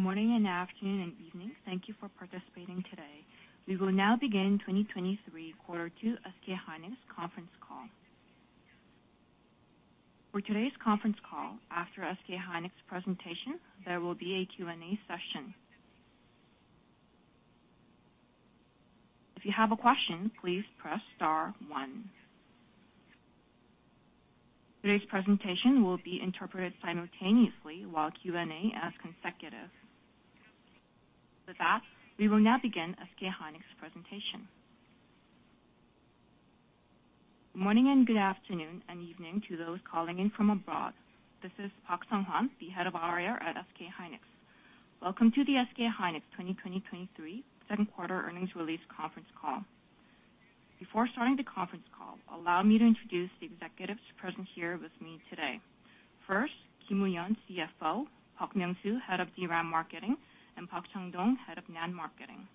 Morning and afternoon and evening. Thank you for participating today. We will now begin 2023 Q2 SK hynix conference call. For today's conference call, after SK hynix presentation, there will be a Q&A session. If you have a question, please press star one. Today's presentation will be interpreted simultaneously, while Q&A as consecutive. With that, we will now begin SK hynix presentation. Morning, and good afternoon, and evening to those calling in from abroad. This is Park Seong Hwan, the Head of IR at SK hynix. Welcome to the SK hynix 2023 Q2 earnings release conference call. Before starting the conference call, allow me to introduce the executives present here with me today. First, Kim Woo-Hyun, CFO, Park Myoung-Soo, Head of DRAM Marketing, and Park Chan-dong, Head of NAND Marketing.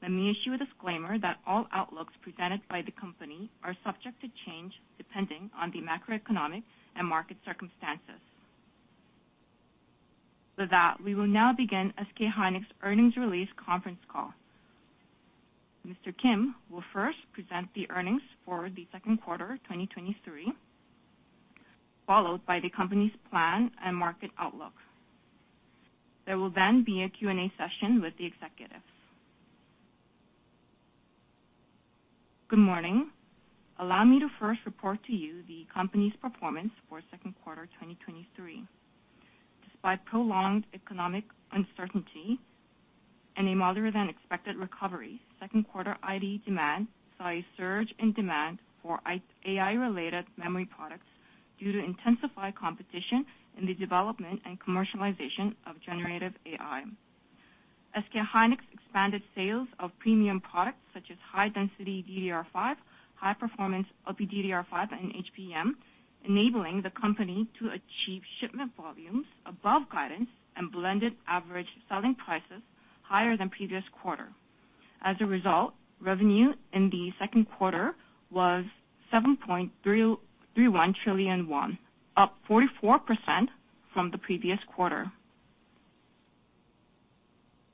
Let me issue a disclaimer that all outlooks presented by the company are subject to change, depending on the macroeconomic and market circumstances. With that, we will now begin SK hynix earnings release conference call. Mr. Kim will first present the earnings for the Q2 2023, followed by the company's plan and market outlook. There will then be a Q&A session with the executives. Good morning. Allow me to first report to you the company's performance for Q2 2023. Despite prolonged economic uncertainty and a milder-than-expected recovery, Q2 IT demand saw a surge in demand for AI-related memory products due to intensified competition in the development and commercialization of generative AI. SK hynix expanded sales of premium products such as high-density DDR5, high-performance LPDDR5 and HBM, enabling the company to achieve shipment volumes above guidance and blended average selling prices higher than previous quarter. As a result, revenue in the Q2 was 7.331 trillion won, up 44% from the previous quarter.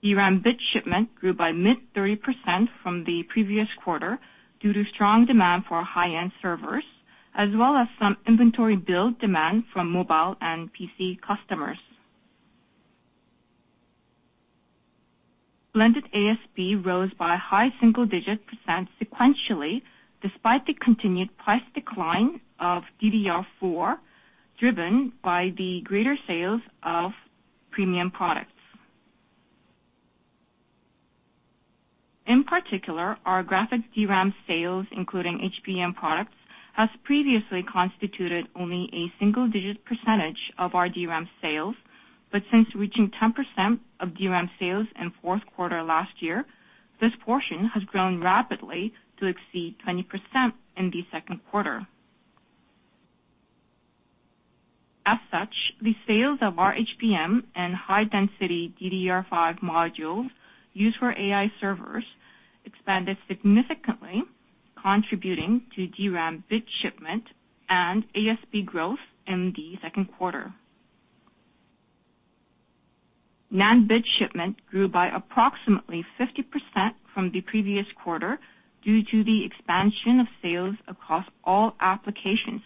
DRAM bit shipment grew by mid-30% from the previous quarter due to strong demand for high-end servers, as well as some inventory build demand from mobile and PC customers. Blended ASP rose by high single-digit % sequentially, despite the continued price decline of DDR4, driven by the greater sales of premium products. In particular, our graphics DRAM sales, including HBM products, has previously constituted only a single-digit % of our DRAM sales, but since reaching 10% of DRAM sales in Q4 last year, this portion has grown rapidly to exceed 20% in the Q2. The sales of our HBM and high-density DDR5 modules used for AI servers expanded significantly, contributing to DRAM bit shipment and ASP growth in the Q2. NAND bit shipment grew by approximately 50% from the previous quarter due to the expansion of sales across all applications,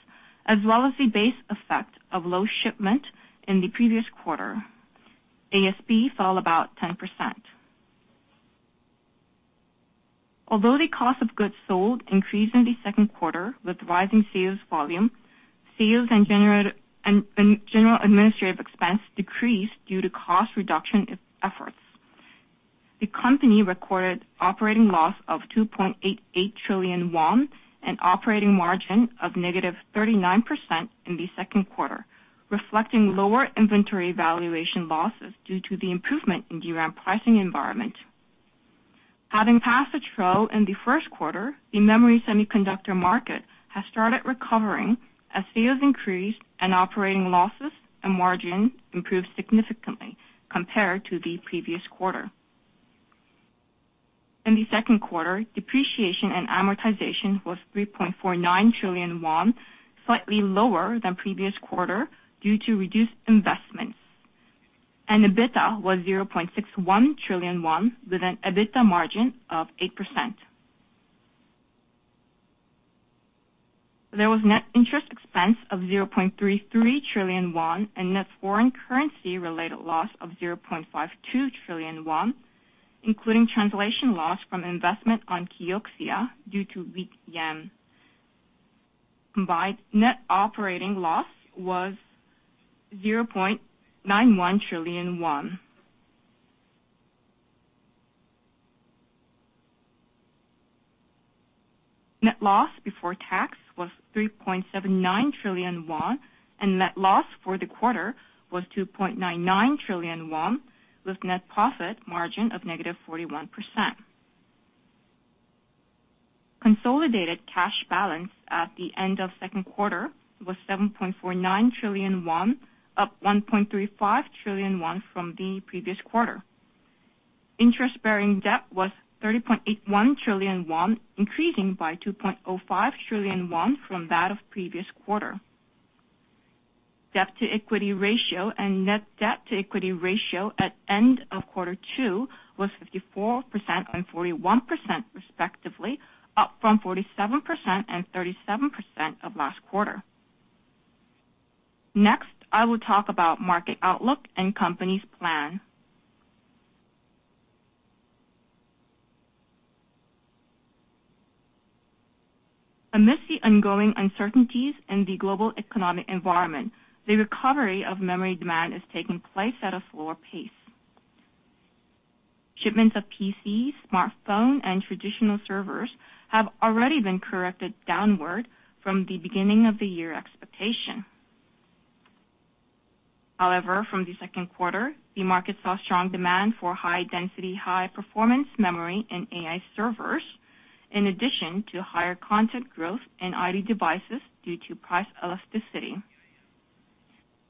as well as the base effect of low shipment in the previous quarter. ASP fell about 10%. Although the cost of goods sold increased in the Q2 with rising sales volume, sales and general administrative expense decreased due to cost reduction efforts. The company recorded operating loss of 2.88 trillion won and operating margin of negative 39% in the Q2, reflecting lower inventory valuation losses due to the improvement in DRAM pricing environment. Having passed a trough in the Q1, the memory semiconductor market has started recovering as sales increased and operating losses and margin improved significantly compared to the previous quarter. In the Q2, depreciation and amortization was 3.49 trillion won, slightly lower than previous quarter due to reduced investments, and EBITDA was 0.61 trillion won, with an EBITDA margin of 8%. There was net interest expense of 0.33 trillion won, and net foreign currency-related loss of 0.52 trillion won, including translation loss from investment on Kioxia due to weak Yen. Combined net operating loss was KRW 0.91 trillion. Net loss before tax was 3.79 trillion won, and net loss for the quarter was 2.99 trillion won, with net profit margin of -41%. Consolidated cash balance at the end of Q2 was 7.49 trillion won, up 1.35 trillion won from the previous quarter. interest-bearing debt was 30.81 trillion won, increasing by 2.05 trillion won from that of previous quarter. Debt to equity ratio and net debt to equity ratio at end of Q2 was 54% and 41% respectively, up from 47% and 37% of last quarter. Next, I will talk about market outlook and company's plan. Amidst the ongoing uncertainties in the global economic environment, the recovery of memory demand is taking place at a slower pace. Shipments of PCs, smartphone, and traditional servers have already been corrected downward from the beginning of the year expectation. However, from the Q2, the market saw strong demand for high density, high performance memory in AI servers, in addition to higher content growth in IT devices due to price elasticity.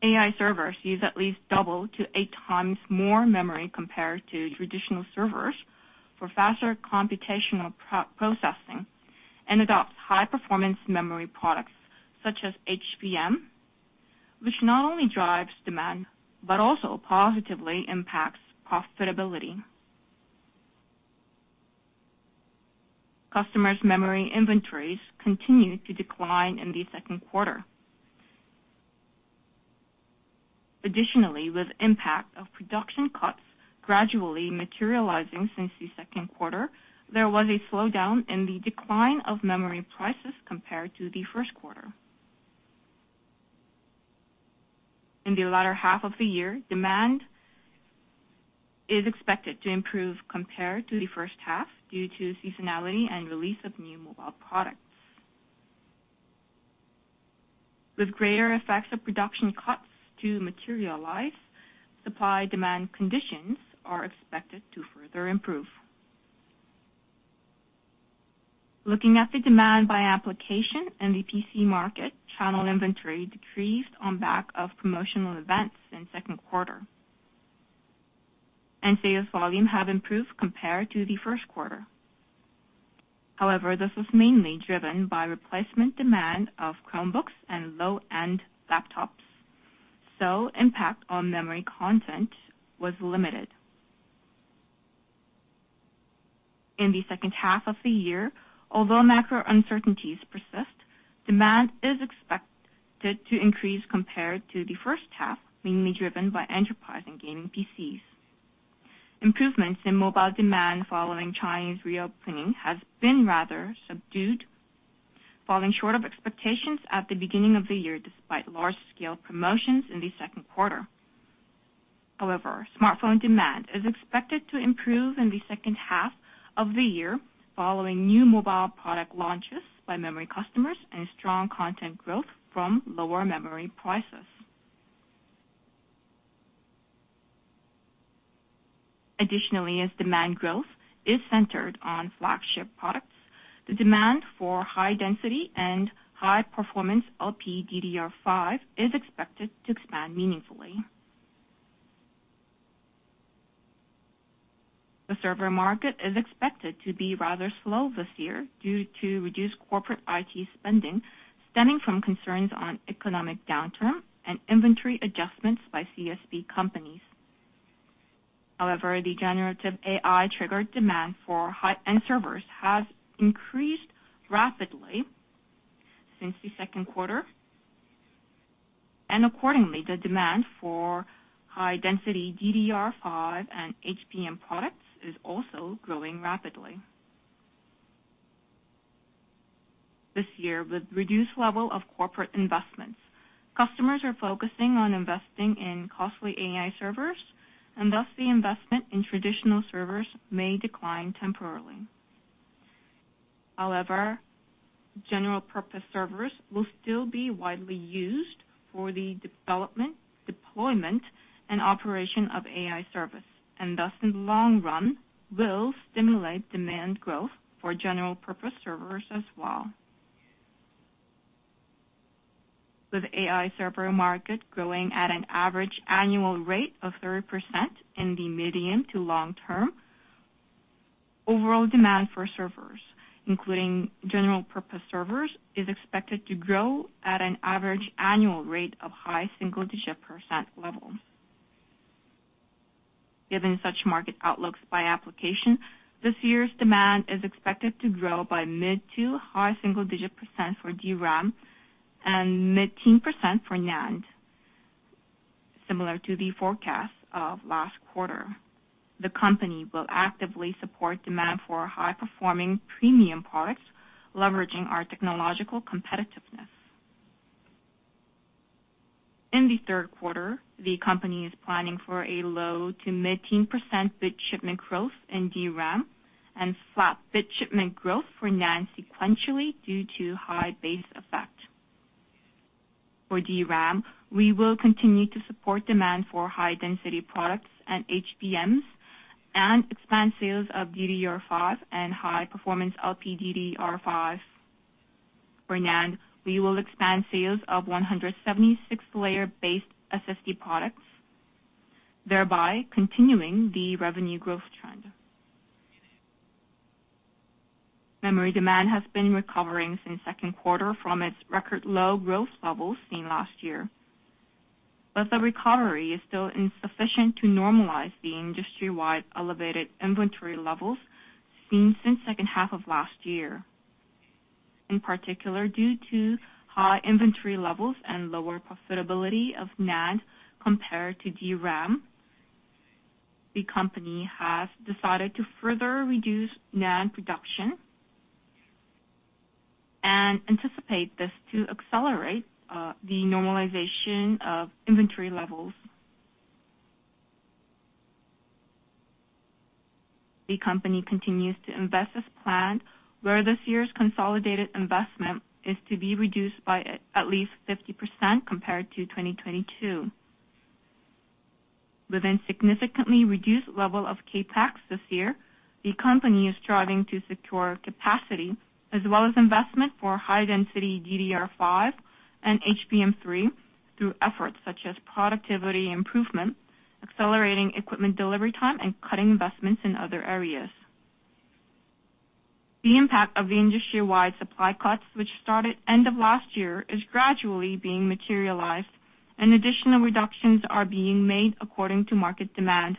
AI servers use at least 2-8 times more memory compared to traditional servers for faster computational processing, and adopts high performance memory products such as HBM, which not only drives demand, but also positively impacts profitability. Customers' memory inventories continued to decline in the Q2. With impact of production cuts gradually materializing since the Q2, there was a slowdown in the decline of memory prices compared to the Q1. In the latter half of the year, demand is expected to improve compared to the H1 due to seasonality and release of new mobile products. With greater effects of production cuts to materialize, supply-demand conditions are expected to further improve. Looking at the demand by application in the PC market, channel inventory decreased on back of promotional events in Q2, sales volume have improved compared to the Q1. This was mainly driven by replacement demand of Chromebooks and low-end laptops, impact on memory content was limited. In the H2 of the year, although macro uncertainties persist, demand is expected to increase compared to the H1, mainly driven by enterprise and gaming PCs. Improvements in mobile demand following Chinese reopening has been rather subdued, falling short of expectations at the beginning of the year, despite large-scale promotions in the Q2. Smartphone demand is expected to improve in the H2 of the year, following new mobile product launches by memory customers and strong content growth from lower memory prices. Additionally, as demand growth is centered on flagship products, the demand for high density and high performance LPDDR5 is expected to expand meaningfully. The server market is expected to be rather slow this year due to reduced corporate IT spending, stemming from concerns on economic downturn and inventory adjustments by CSP companies. However, the generative AI-triggered demand for high-end servers has increased rapidly since the Q2, and accordingly, the demand for high-density DDR5 and HBM products is also growing rapidly. This year, with reduced level of corporate investments, customers are focusing on investing in costly AI servers, and thus the investment in traditional servers may decline temporarily. However, general purpose servers will still be widely used for the development, deployment, and operation of AI service, and thus, in the long run, will stimulate demand growth for general purpose servers as well. With AI server market growing at an average annual rate of 30% in the medium to long term, overall demand for servers, including general purpose servers, is expected to grow at an average annual rate of high single-digit % level. Given such market outlooks by application, this year's demand is expected to grow by mid-to-high single-digit % for DRAM and mid-teen % for NAND. Similar to the forecast of last quarter, the company will actively support demand for high-performing premium products, leveraging our technological competitiveness. In the 3rd quarter, the company is planning for a low-to-mid-teen % bit shipment growth in DRAM and flat bit shipment growth for NAND sequentially due to high base effect. For DRAM, we will continue to support demand for high-density products and HBMs and expand sales of DDR5 and high-performance LPDDR5.... for NAND, we will expand sales of 176-layer-based SSD products, thereby continuing the revenue growth trend. Memory demand has been recovering since Q2 from its record low growth levels seen last year, but the recovery is still insufficient to normalize the industry-wide elevated inventory levels seen since H2 of last year. In particular, due to high inventory levels and lower profitability of NAND compared to DRAM, the company has decided to further reduce NAND production and anticipate this to accelerate the normalization of inventory levels. The company continues to invest as planned, where this year's consolidated investment is to be reduced by at least 50% compared to 2022. Within significantly reduced level of CapEx this year, the company is striving to secure capacity, as well as investment for high-density DDR5 and HBM3 through efforts such as productivity improvement, accelerating equipment delivery time, and cutting investments in other areas. The impact of the industry-wide supply cuts, which started end of last year, is gradually being materialized and additional reductions are being made according to market demand.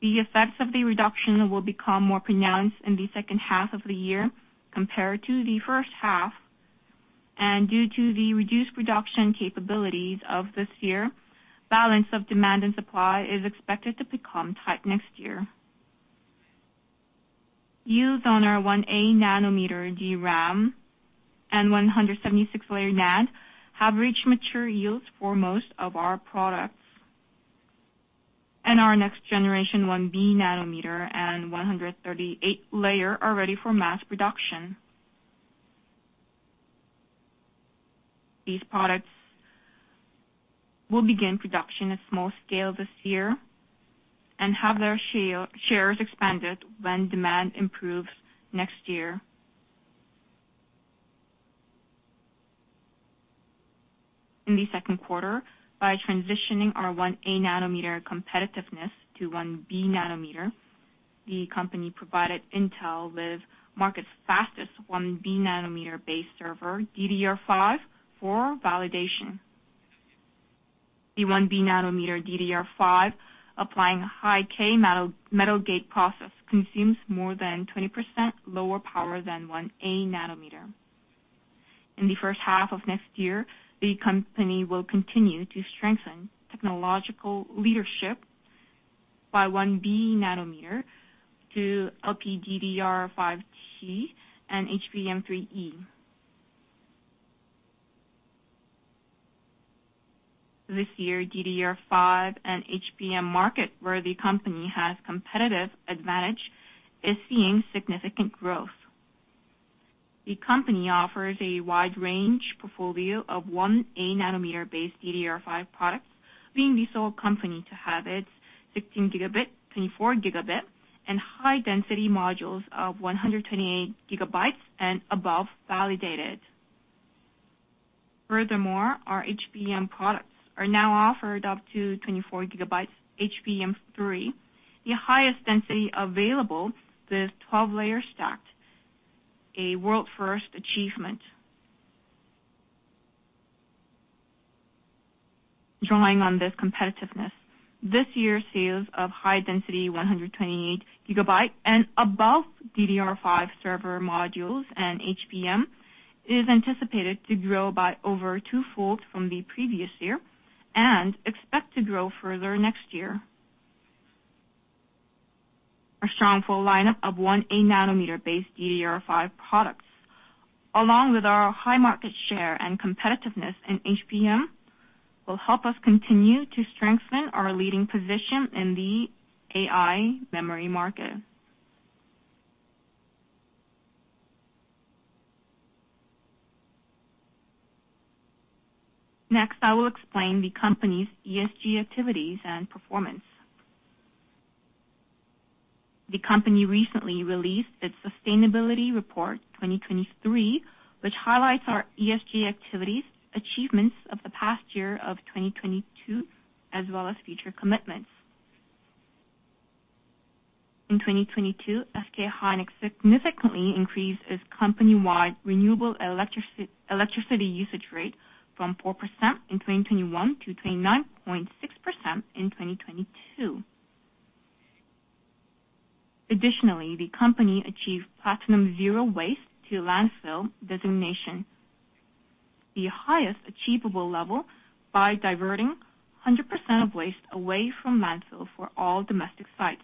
The effects of the reduction will become more pronounced in the H2 of the year compared to the H1, and due to the reduced production capabilities of this year, balance of demand and supply is expected to become tight next year. Yields on our 1a nanometer DRAM and 176-layer NAND have reached mature yields for most of our products, and our next generation, 1b nanometer and 238-layer, are ready for mass production. These products will begin production at small scale this year and have their shares expanded when demand improves next year. In the Q2, by transitioning our 1a nanometer competitiveness to 1b nanometer, the company provided Intel with market's fastest 1b nanometer-based server, DDR5, for validation. The 1b nanometer DDR5, applying High-K Metal Gate process, consumes more than 20% lower power than 1a nanometer. In the H1 of next year, the company will continue to strengthen technological leadership by 1b nanometer to LPDDR5T and HBM3E. This year, DDR5 and HBM market, where the company has competitive advantage, is seeing significant growth. The company offers a wide range portfolio of 1a nanometer-based DDR5 products, being the sole company to have its 16 gigabit, 24 gigabit, and high-density modules of 128 gigabytes and above validated. Furthermore, our HBM products are now offered up to 24 gigabytes HBM3, the highest density available, with 12 layers stacked, a world-first achievement. Drawing on this competitiveness, this year's sales of high-density 128 gigabyte and above DDR5 server modules and HBM is anticipated to grow by over 2-fold from the previous year and expect to grow further next year. Our strong full lineup of 1a nanometer-based DDR5 products, along with our high market share and competitiveness in HBM, will help us continue to strengthen our leading position in the AI memory market. Next, I will explain the company's ESG activities and performance. The company recently released its Sustainability Report 2023, which highlights our ESG activities, achievements of the past year of 2022, as well as future commitments. In 2022, SK hynix significantly increased its company-wide renewable electricity usage rate from 4% in 2021 to 29.6% in 2022. Additionally, the company achieved Platinum Zero Waste to Landfill designation, the highest achievable level, by diverting 100% of waste away from landfill for all domestic sites.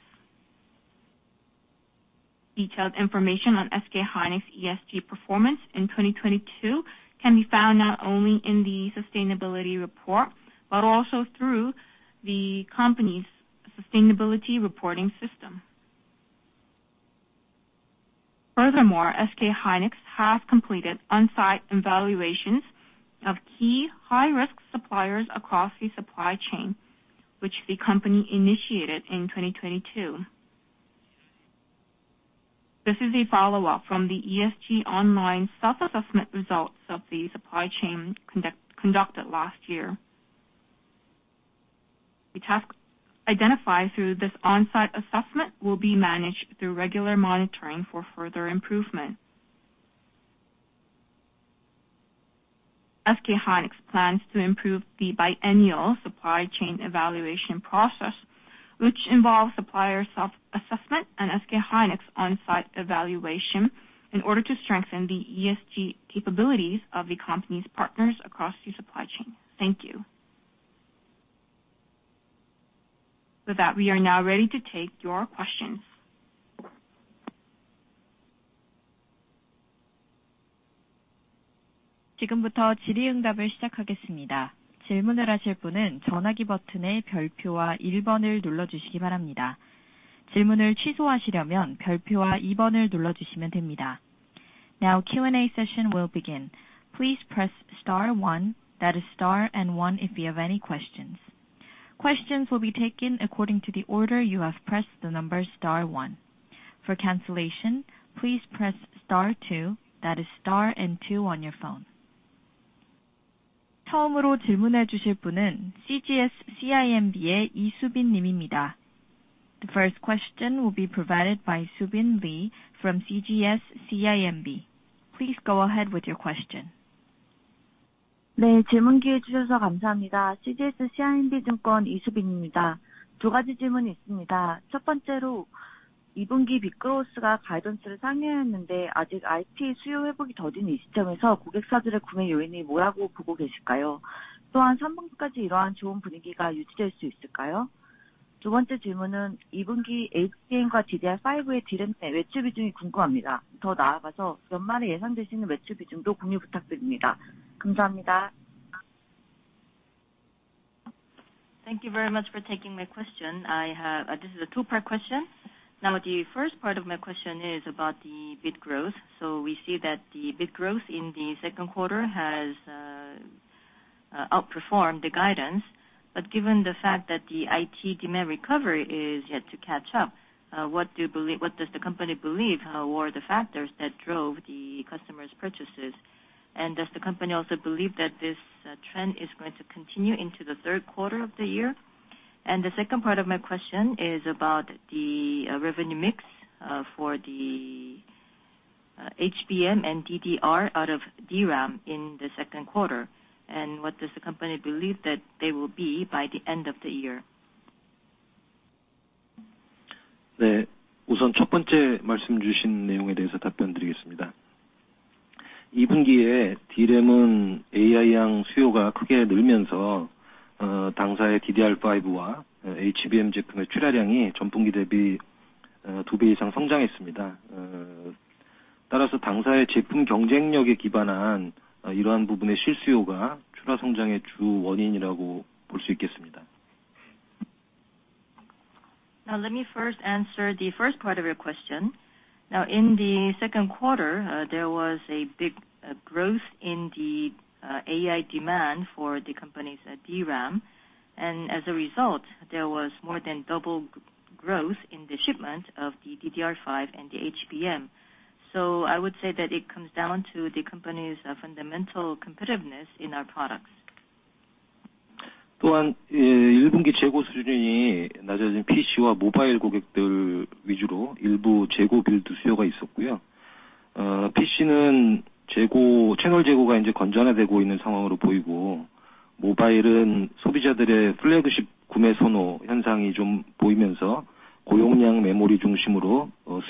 Detailed information on SK hynix ESG performance in 2022 can be found not only in the Sustainability Report, but also through the company's sustainability reporting system. SK hynix has completed on-site evaluations of key high-risk suppliers across the supply chain, which the company initiated in 2022. This is a follow-up from the ESG online self-assessment results of the supply chain conduct, conducted last year. The task identified through this on-site assessment will be managed through regular monitoring for further improvement. SK hynix plans to improve the biennial supply chain evaluation process, which involves supplier self-assessment and SK hynix on-site evaluation in order to strengthen the ESG capabilities of the company's partners across the supply chain. Thank you. With that, we are now ready to take your questions. Now Q&A session will begin. Please press star one, that is star and one, if you have any questions. Questions will be taken according to the order you have pressed the number star one. For cancellation, please press star two, that is star and two on your phone. The first question will be provided by Subin Lee from CGS-CIMB. Please go ahead with your question. Thank you very much for taking my question. I have, this is a two-part question. Now, the first part of my question is about the bit growth. We see that the bit growth in the Q2 has outperformed the guidance. Given the fact that the IT demand recovery is yet to catch up, what do you believe, what does the company believe, were the factors that drove the customers' purchases? Does the company also believe that this trend is going to continue into the Q3 of the year? The second part of my question is about the revenue mix for the HBM and DDR out of DRAM in the Q2, and what does the company believe that they will be by the end of the year? Let me first answer the first part of your question. In the Q2, there was a big growth in the AI demand for the company's DRAM, and as a result, there was more than double growth in the shipment of the DDR5 and the HBM. I would say that it comes down to the company's fundamental competitiveness in our products.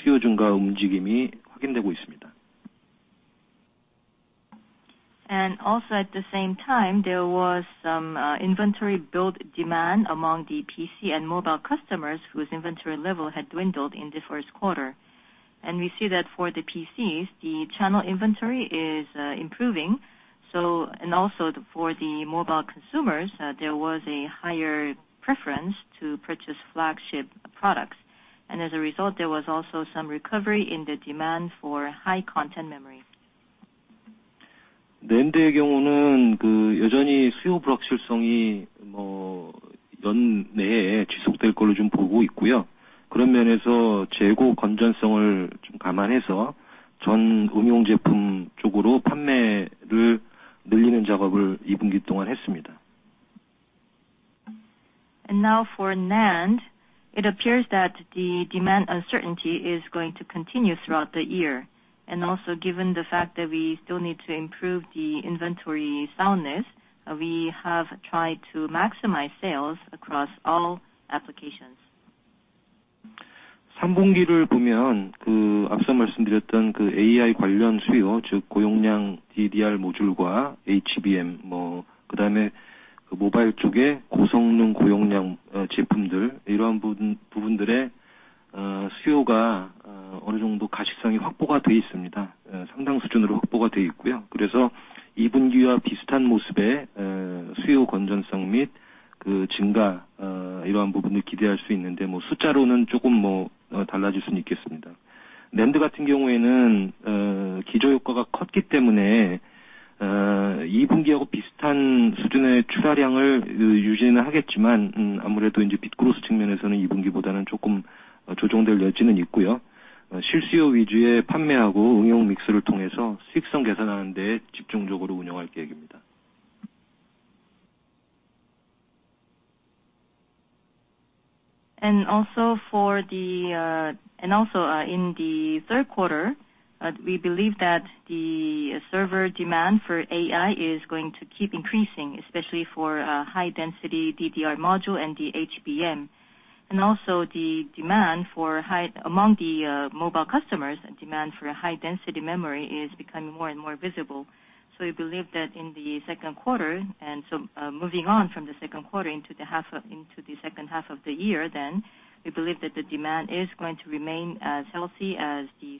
Also at the same time, there was some inventory build demand among the PC and mobile customers whose inventory level had dwindled in the Q1. We see that for the PCs, the channel inventory is improving. Also for the mobile consumers, there was a higher preference to purchase flagship products. As a result, there was also some recovery in the demand for high content memory. Now for NAND, it appears that the demand uncertainty is going to continue throughout the year. Also given the fact that we still need to improve the inventory soundness, we have tried to maximize sales across all applications. ...And also for the, in the Q3, we believe that the server demand for AI is going to keep increasing, especially for high density DDR module and the HBM, and also the demand for high among the mobile customers, demand for high density memory is becoming more and more visible. We believe that in the Q2, and so, moving on from the Q2 into the half, into the H2 of the year, then we believe that the demand is going to remain as healthy as the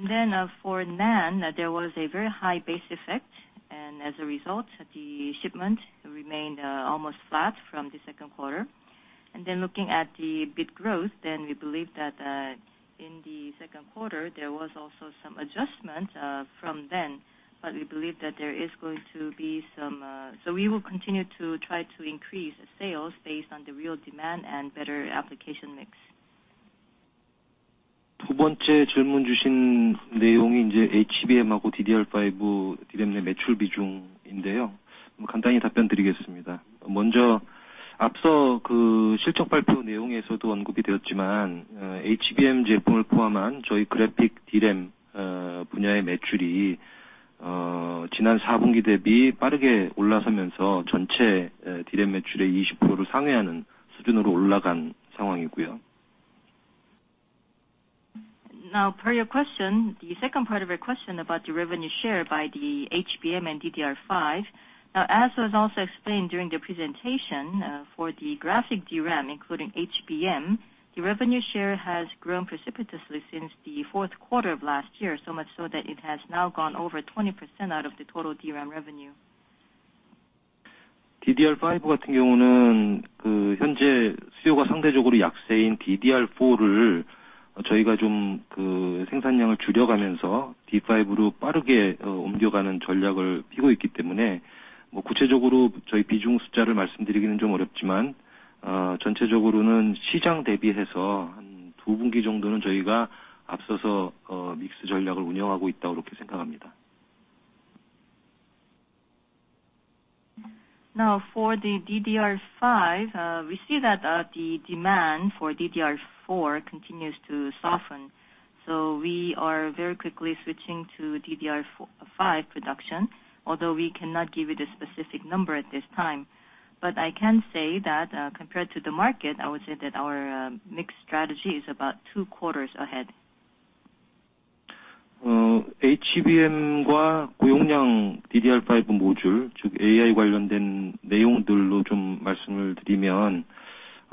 Q2. For NAND, there was a very high base effect, and as a result, the shipment remained, almost flat from the Q2. Looking at the bit growth, then we believe that, in the Q2, there was also some adjustment, from then, but we believe that there is going to be some. We will continue to try to increase sales based on the real demand and better application mix. Per your question, the second part of your question about the revenue share by the HBM and DDR5. As was also explained during the presentation, for the graphic DRAM, including HBM, the revenue share has grown precipitously since the Q4 of last year. So much so that it has now gone over 20% out of the total DRAM revenue. For the DDR5, we see that, the demand for DDR4 continues to soften. We are very quickly switching to DDR4, 5 production, although we cannot give you the specific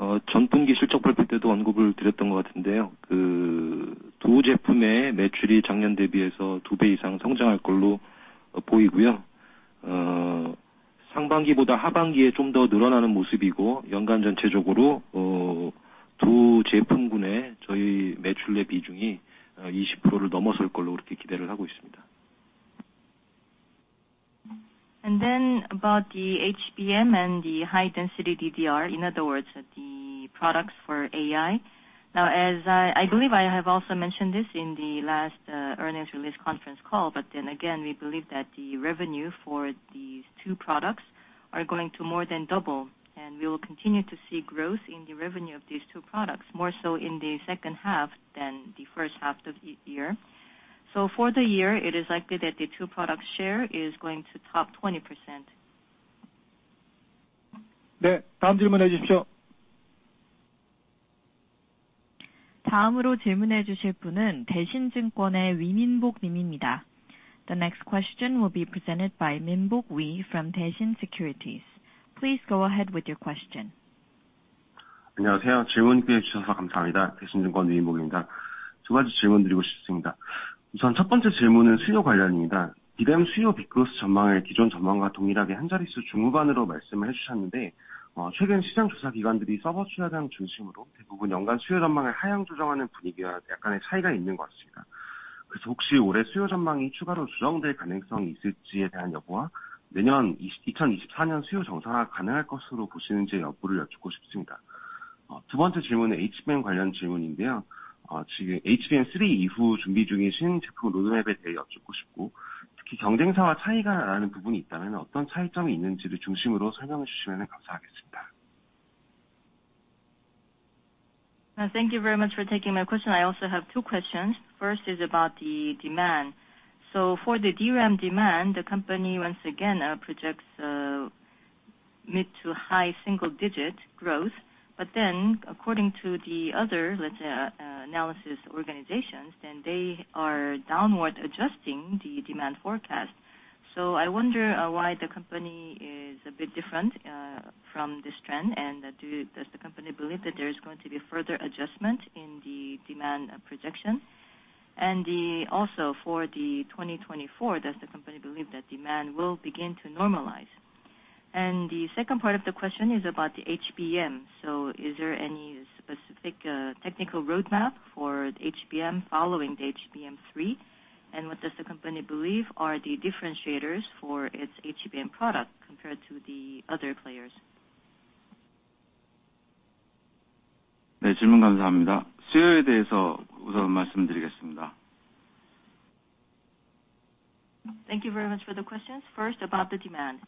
number at this time. I can say that, compared to the market, I would say that our mix strategy is about 2 quarters ahead. About the HBM and the high density DDR, in other words, the products for AI. Now, as I believe I have also mentioned this in the last earnings release conference call, again, we believe that the revenue for these 2 products are going to more than double, and we will continue to see growth in the revenue of these 2 products, more so in the H2 than the H1 of the year. For the year, it is likely that the 2 product share is going to top 20%. The next question will be presented by Minbok Wi from Daishin Securities. Please go ahead with your question. Thank you very much for taking my question. I also have two questions. First is about the demand. For the DRAM demand, the company once again projects mid to high single digit growth. According to the other, let's say, analysis organizations, they are downward adjusting the demand forecast. I wonder why the company is a bit different from this trend? Does the company believe that there is going to be further adjustment in the demand projection? Also for 2024, does the company believe that demand will begin to normalize? The second part of the question is about the HBM. Is there any specific technical roadmap for HBM following the HBM3? What does the company believe are the differentiators for its HBM product compared to the other players? Thank you very much for the question. First, about the demand.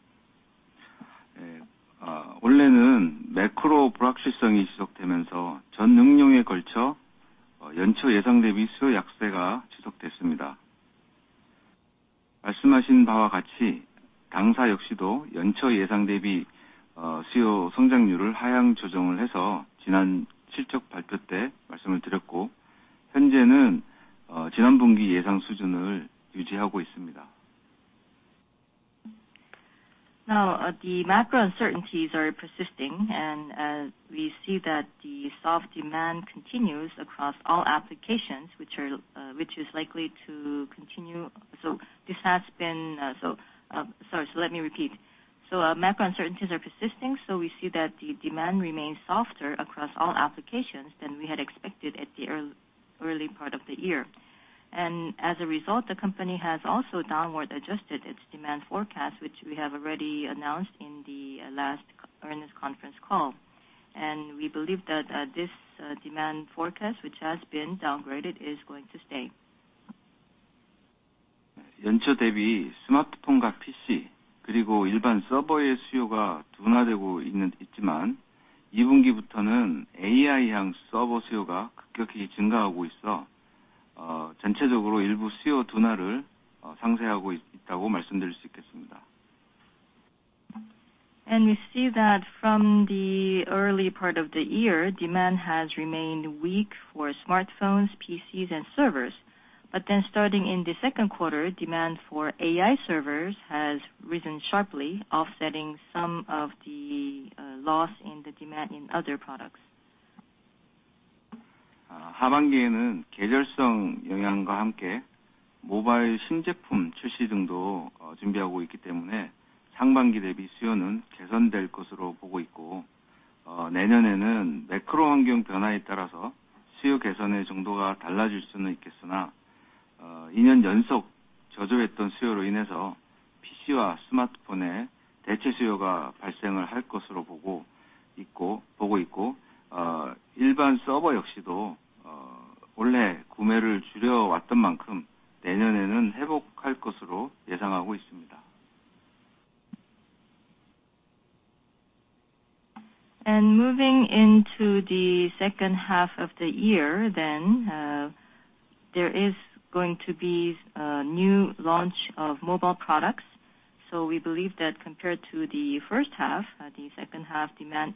Now, the macro uncertainties are persisting, and we see that the soft demand continues across all applications which is likely to continue. sorry, let me repeat. Macro uncertainties are persisting, so we see that the demand remains softer across all applications than we had expected at the early part of the year. As a result, the company has also downward adjusted its demand forecast, which we have already announced in the last earnings conference call. We believe that this demand forecast, which has been downgraded, is going to stay. We see that from the early part of the year, demand has remained weak for smartphones, PCs and servers. Starting in the Q2, demand for AI servers has risen sharply, offsetting some of the loss in the demand in other products. Moving into the H2 of the year, there is going to be a new launch of mobile products. We believe that compared to the H1, the H2 demand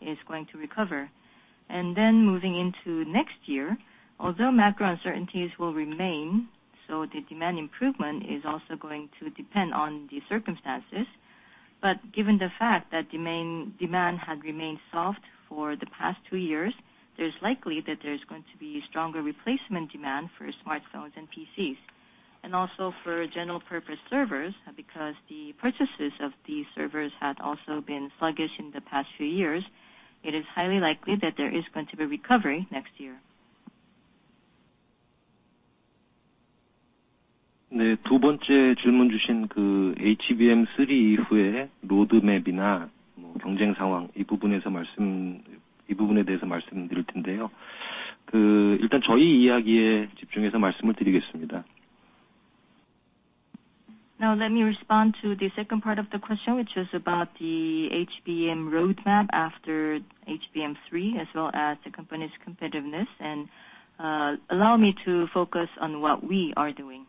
is going to recover. Moving into next year, although Macro uncertainties will remain, the demand improvement is also going to depend on the circumstances. Given the fact that demand had remained soft for the past two years, there's likely that there's going to be stronger replacement demand for smartphones and PCs. For general purpose servers, because the purchases of these servers had also been sluggish in the past few years, it is highly likely that there is going to be recovery next year. Let me respond to the second part of the question, which is about the HBM roadmap after HBM3, as well as the company's competitiveness. Allow me to focus on what we are doing.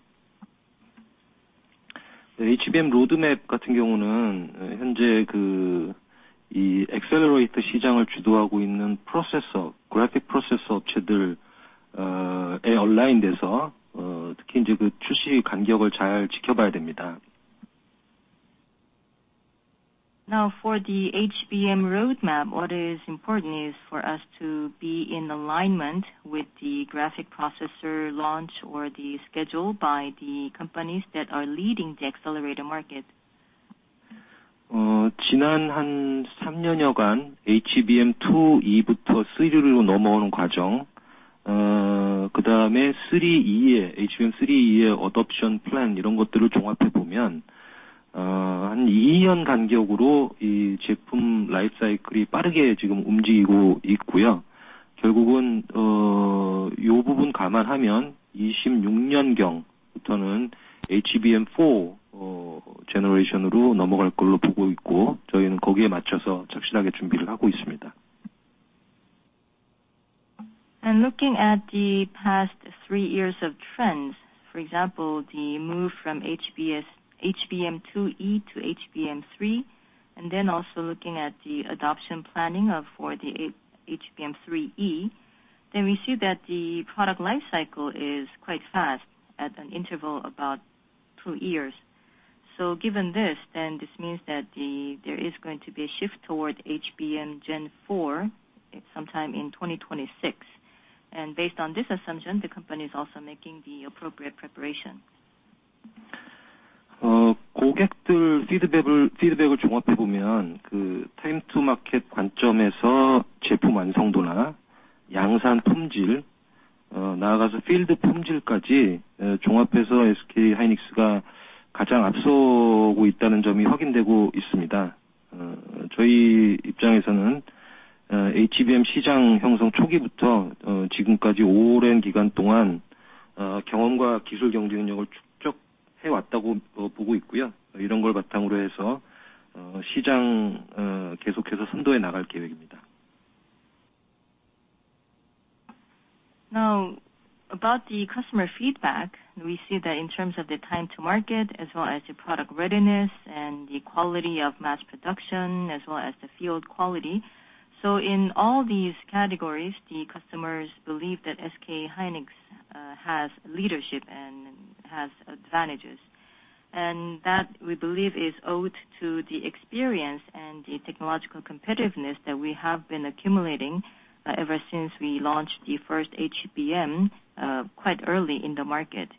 For the HBM roadmap, what is important is for us to be in alignment with the graphic processor launch or the schedule by the companies that are leading the accelerator market. Looking at the past three years of trends, for example, the move from HBM2E to HBM3, also looking at the adoption planning for the HBM3E, then we see that the product life cycle is quite fast, at an interval about two years. Given this means that there is going to be a shift toward HBM4 sometime in 2026. Based on this assumption, the company is also making the appropriate preparation. ... 고객들 피드백을 종합해 보면, 그 time to market 관점에서 제품 완성도나 양산 품질, 나아가서 필드 품질까지 종합해서 SK hynix가 가장 앞서고 있다는 점이 확인되고 있습니다. 저희 입장에서는 HBM 시장 형성 초기부터 지금까지 오랜 기간 동안 경험과 기술 경쟁력을 축적해 왔다고 보고 있고요. 이런 걸 바탕으로 해서 시장 계속해서 선도해 나갈 계획입니다. About the customer feedback, we see that in terms of the time to market as well as the product readiness and the quality of mass production, as well as the field quality. In all these categories, the customers believe that SK hynix has leadership and has advantages, and that we believe is owed to the experience and the technological competitiveness that we have been accumulating ever since we launched the first HBM quite early in the market.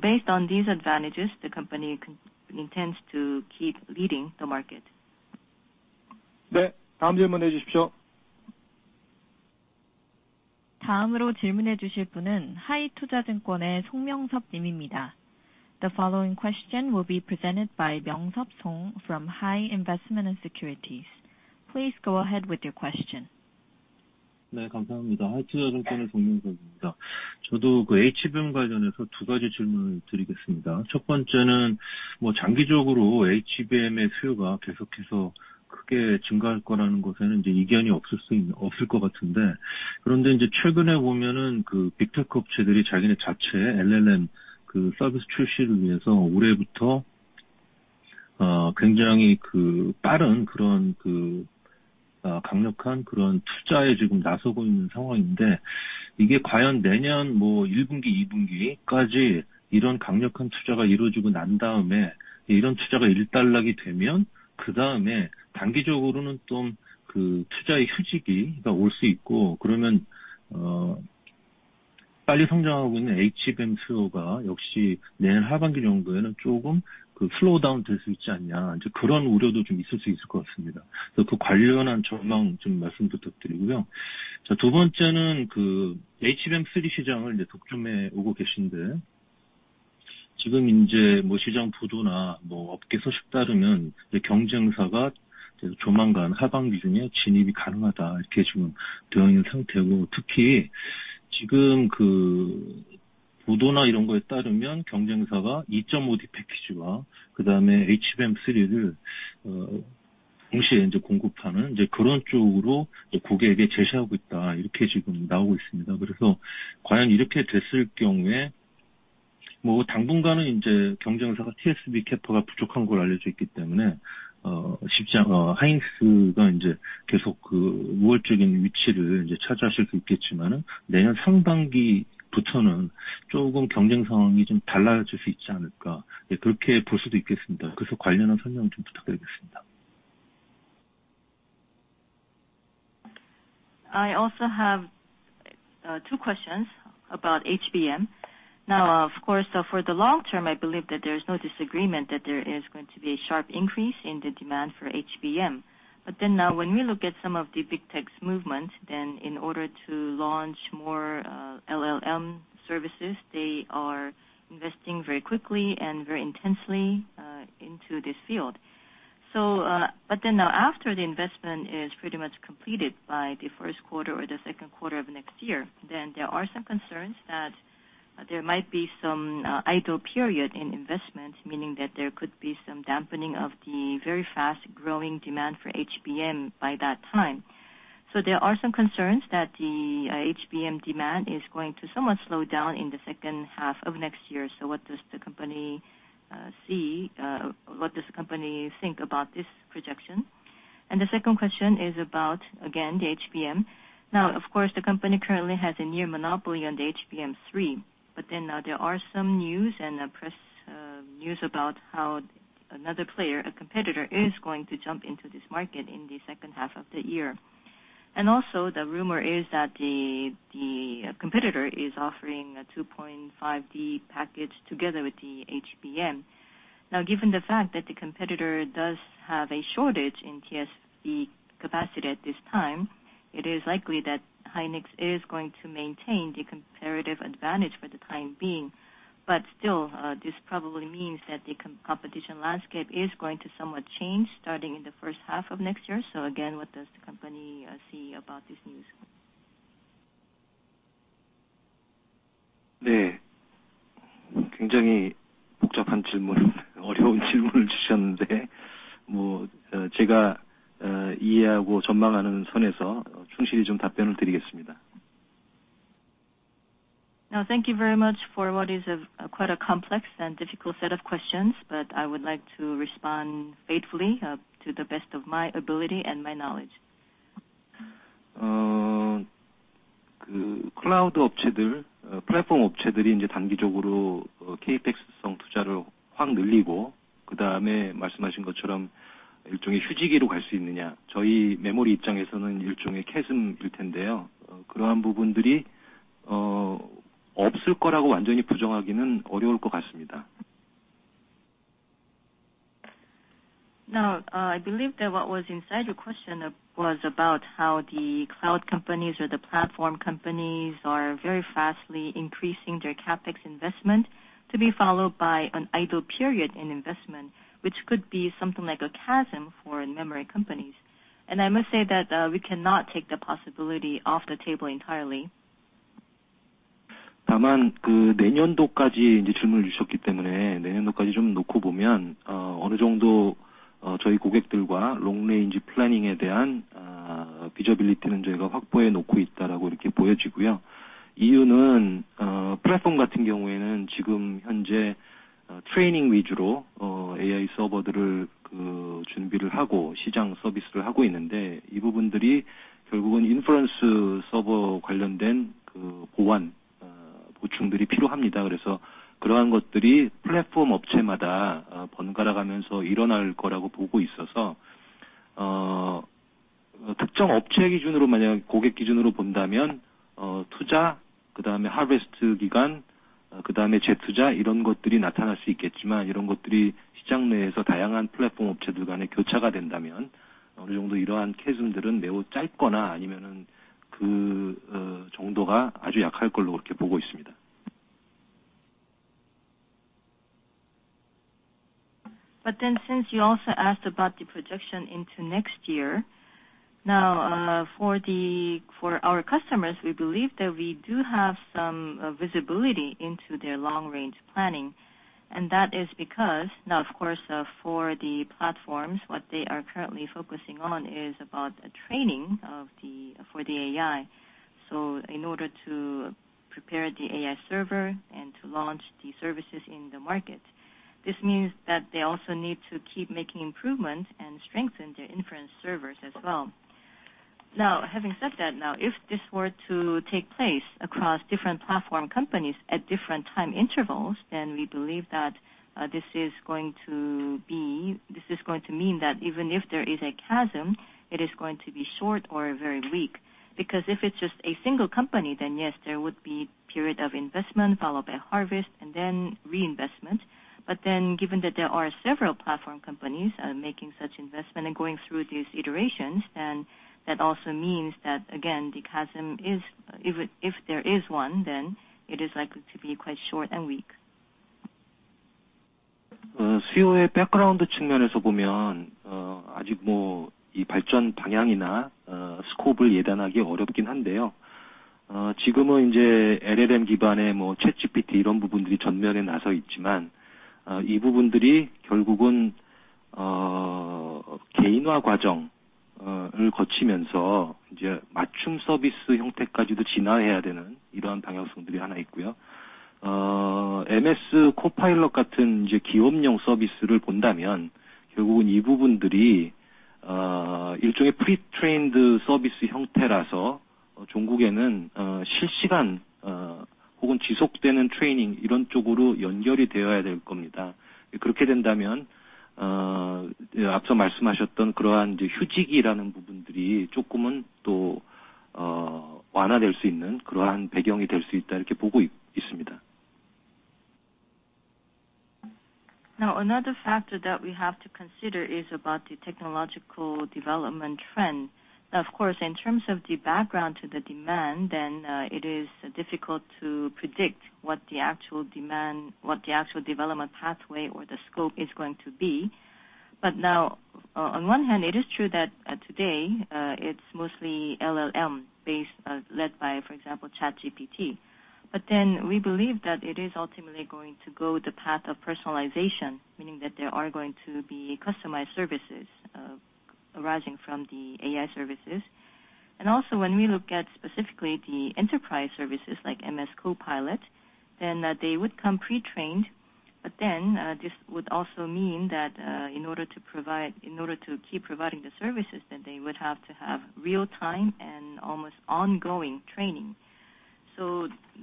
Based on these advantages, the company intends to keep leading the market. 네, 다음 질문해 주십시오. 다음으로 질문해 주실 분은 하이투자증권의 송명섭님입니다. The following question will be presented by Myung Sup Song from HI Investment & Securities. Please go ahead with your question. 네, 감사합니다. HI Investment & Securities의 Myung Sup Song입니다. 저도 그 HBM 관련해서 두 가지 질문을 드리겠습니다. 첫 번째는, 뭐, 장기적으로 HBM의 수요가 계속해서 크게 증가할 거라는 것에는 이제 이견이 없을 것 같은데. 그런데 이제 최근에 보면은 그 빅테크 업체들이 자기네 자체 LLM 서비스 출시를 위해서 올해부터, 굉장히 빠른, 그런 강력한 그런 투자에 지금 나서고 있는 상황인데, 이게 과연 내년 뭐 1분기, 2분기까지 이런 강력한 투자가 이루어지고 난 다음에 이런 투자가 일단락이 되면 그다음에 단기적으로는 좀그 투자의 휴지기가 올수 있고, 그러면, 빨리 성장하고 있는 HBM 수요가 역시 내년 하반기 정도에는 조금 그 slow down 될수 있지 않냐? 이제 그런 우려도 좀 있을 수 있을 것 같습니다. 그래서 그 관련한 전망 좀 말씀 부탁드리고요. 두 번째는 그 HBM3 시장을 이제 독점해 오고 계신데, 지금 이제 뭐 시장 보도나 뭐 업계 소식 따르면 경쟁사가 조만간 하반기 중에 진입이 가능하다, 이렇게 지금 되어 있는 상태고, 특히 지금 그 보도나 이런 거에 따르면 경쟁사가 2.5D package와 그다음에 HBM3을 동시에 이제 공급하는, 이제 그런 쪽으로 고객에게 제시하고 있다, 이렇게 지금 나오고 있습니다. 과연 이렇게 됐을 경우에, 뭐 당분간은 이제 경쟁사가 TSV 케파가 부족한 걸로 알려져 있기 때문에, SK hynix가 이제 계속 그 우월적인 위치를 이제 차지하실 수 있겠지만은 내년 상반기부터는 조금 경쟁 상황이 좀 달라질 수 있지 않을까, 그렇게 볼 수도 있겠습니다. 관련한 설명을 좀 부탁드리겠습니다. I also have two questions about HBM. Of course, for the long term, I believe that there is no disagreement that there is going to be a sharp increase in the demand for HBM. When we look at some of the big tech's movements, then in order to launch more LLM services, they are investing very quickly and very intensely into this field. But then now, after the investment is pretty much completed by the Q1 or the Q2 of next year, then there are some concerns that there might be some idle period in investment, meaning that there could be some dampening of the very fast growing demand for HBM by that time. There are some concerns that the HBM demand is going to somewhat slow down in the H2 of next year. What does the company see? What does the company think about this projection? The second question is about, again, the HBM. Of course, the company currently has a near monopoly on the HBM3, there are some news and press news about how another player, a competitor, is going to jump into this market in the H2 of the year. The rumor is that the competitor is offering a 2.5D package together with the HBM. Given the fact that the competitor does have a shortage in TSV capacity at this time, it is likely that Hynix is going to maintain the comparative advantage for the time being. This probably means that the competition landscape is going to somewhat change starting in the H1 of next year. Again, what does the company see about this news? 네, 굉장히 복잡한 질문을, 어려운 질문을 주셨는데, 뭐, 제가 이해하고 전망하는 선에서 충실히 좀 답변을 드리겠습니다. Thank you very much for what is, quite a complex and difficult set of questions, but I would like to respond faithfully, to the best of my ability and my knowledge. 클라우드 업체들, 플랫폼 업체들이 이제 단기적으로 CapEx 투자를 확 늘리고, 말씀하신 것처럼 일종의 휴지기로 갈수 있느냐? 저희 메모리 입장에서는 일종의 캐즘일 텐데요. 그러한 부분들이 없을 거라고 완전히 부정하기는 어려울 것 같습니다. Now, I believe that what was inside your question was about how the cloud companies or the platform companies are very fastly increasing their CapEx investment to be followed by an idle period in investment, which could be something like a chasm for memory companies. I must say that, we cannot take the possibility off the table entirely. 다만, 그 내년도까지 이제 질문을 주셨기 때문에 내년도까지 좀 놓고 보면, 어, 어느 정도, 어, 저희 고객들과 롱레인지 플래닝에 대한, 아, 비저빌리티는 저희가 확보해 놓고 있다라고 이렇게 보여지고요. 이유는, 어, 플랫폼 같은 경우에는 지금 현재, 어, 트레이닝 위주로, 어, AI 서버들을, 그 준비를 하고 시장 서비스를 하고 있는데, 이 부분들이 결국은 인프런스 서버 관련된, 그 보완, 어, 보충들이 필요합니다. 그래서 그러한 것들이 플랫폼 업체마다, 어, 번갈아가면서 일어날 거라고 보고 있어서, 어, 특정 업체 기준으로 만약 고객 기준으로 본다면, 어, 투자, 그다음에 Harvest 기간, 그다음에 재투자, 이런 것들이 나타날 수 있겠지만, 이런 것들이 시장 내에서 다양한 플랫폼 업체들 간의 교차가 된다면, 어느 정도 이러한 캐즘들은 매우 짧거나 아니면은 그, 어, 정도가 아주 약할 걸로 그렇게 보고 있습니다. Since you also asked about the projection into next year, now, for our customers, we believe that we do have some visibility into their long range planning. That is because now, of course, for the platforms, what they are currently focusing on is about a training for the AI. In order to prepare the AI server and to launch the services in the market, this means that they also need to keep making improvements and strengthen their inference servers as well. Having said that, now, if this were to take place across different platform companies at different time intervals, then we believe that this is going to mean that even if there is a chasm, it is going to be short or very weak. If it's just a single company, then yes, there would be period of investment followed by harvest and then reinvestment. Given that there are several platform companies, making such investment and going through these iterations, then that also means that again, the chasm is, if there is one, then it is likely to be quite short and weak. 수요의 백그라운드 측면에서 보면, 아직 이 발전 방향이나, 스코프를 예단하기 어렵긴 한데요. 지금은 이제 LLM 기반의 ChatGPT, 이런 부분들이 전면에 나서 있지만, 이 부분들이 결국은 개인화 과정을 거치면서 이제 맞춤 서비스 형태까지도 진화해야 되는 이러한 방향성들이 하나 있고요. MS Copilot 같은 이제 기업용 서비스를 본다면, 결국은 이 부분들이 일종의 pre-trained 서비스 형태라서, 종국에는 실시간 혹은 지속되는 training, 이런 쪽으로 연결이 되어야 될 겁니다. 그렇게 된다면, 앞서 말씀하셨던 그러한 이제 휴지기라는 부분들이 조금은 또 완화될 수 있는 그러한 배경이 될수 있다, 이렇게 보고 있습니다. Another factor that we have to consider is about the technological development trend. Of course, in terms of the background to the demand, then, it is difficult to predict what the actual demand, what the actual development pathway or the scope is going to be. On one hand, it is true that today, it's mostly LLM based, led by, for example, ChatGPT. We believe that it is ultimately going to go the path of personalization, meaning that there are going to be customized services, arising from the AI services. Also when we look at specifically the enterprise services like MS Copilot, then they would come pre-trained. This would also mean that, in order to keep providing the services, then they would have to have real time and almost ongoing training.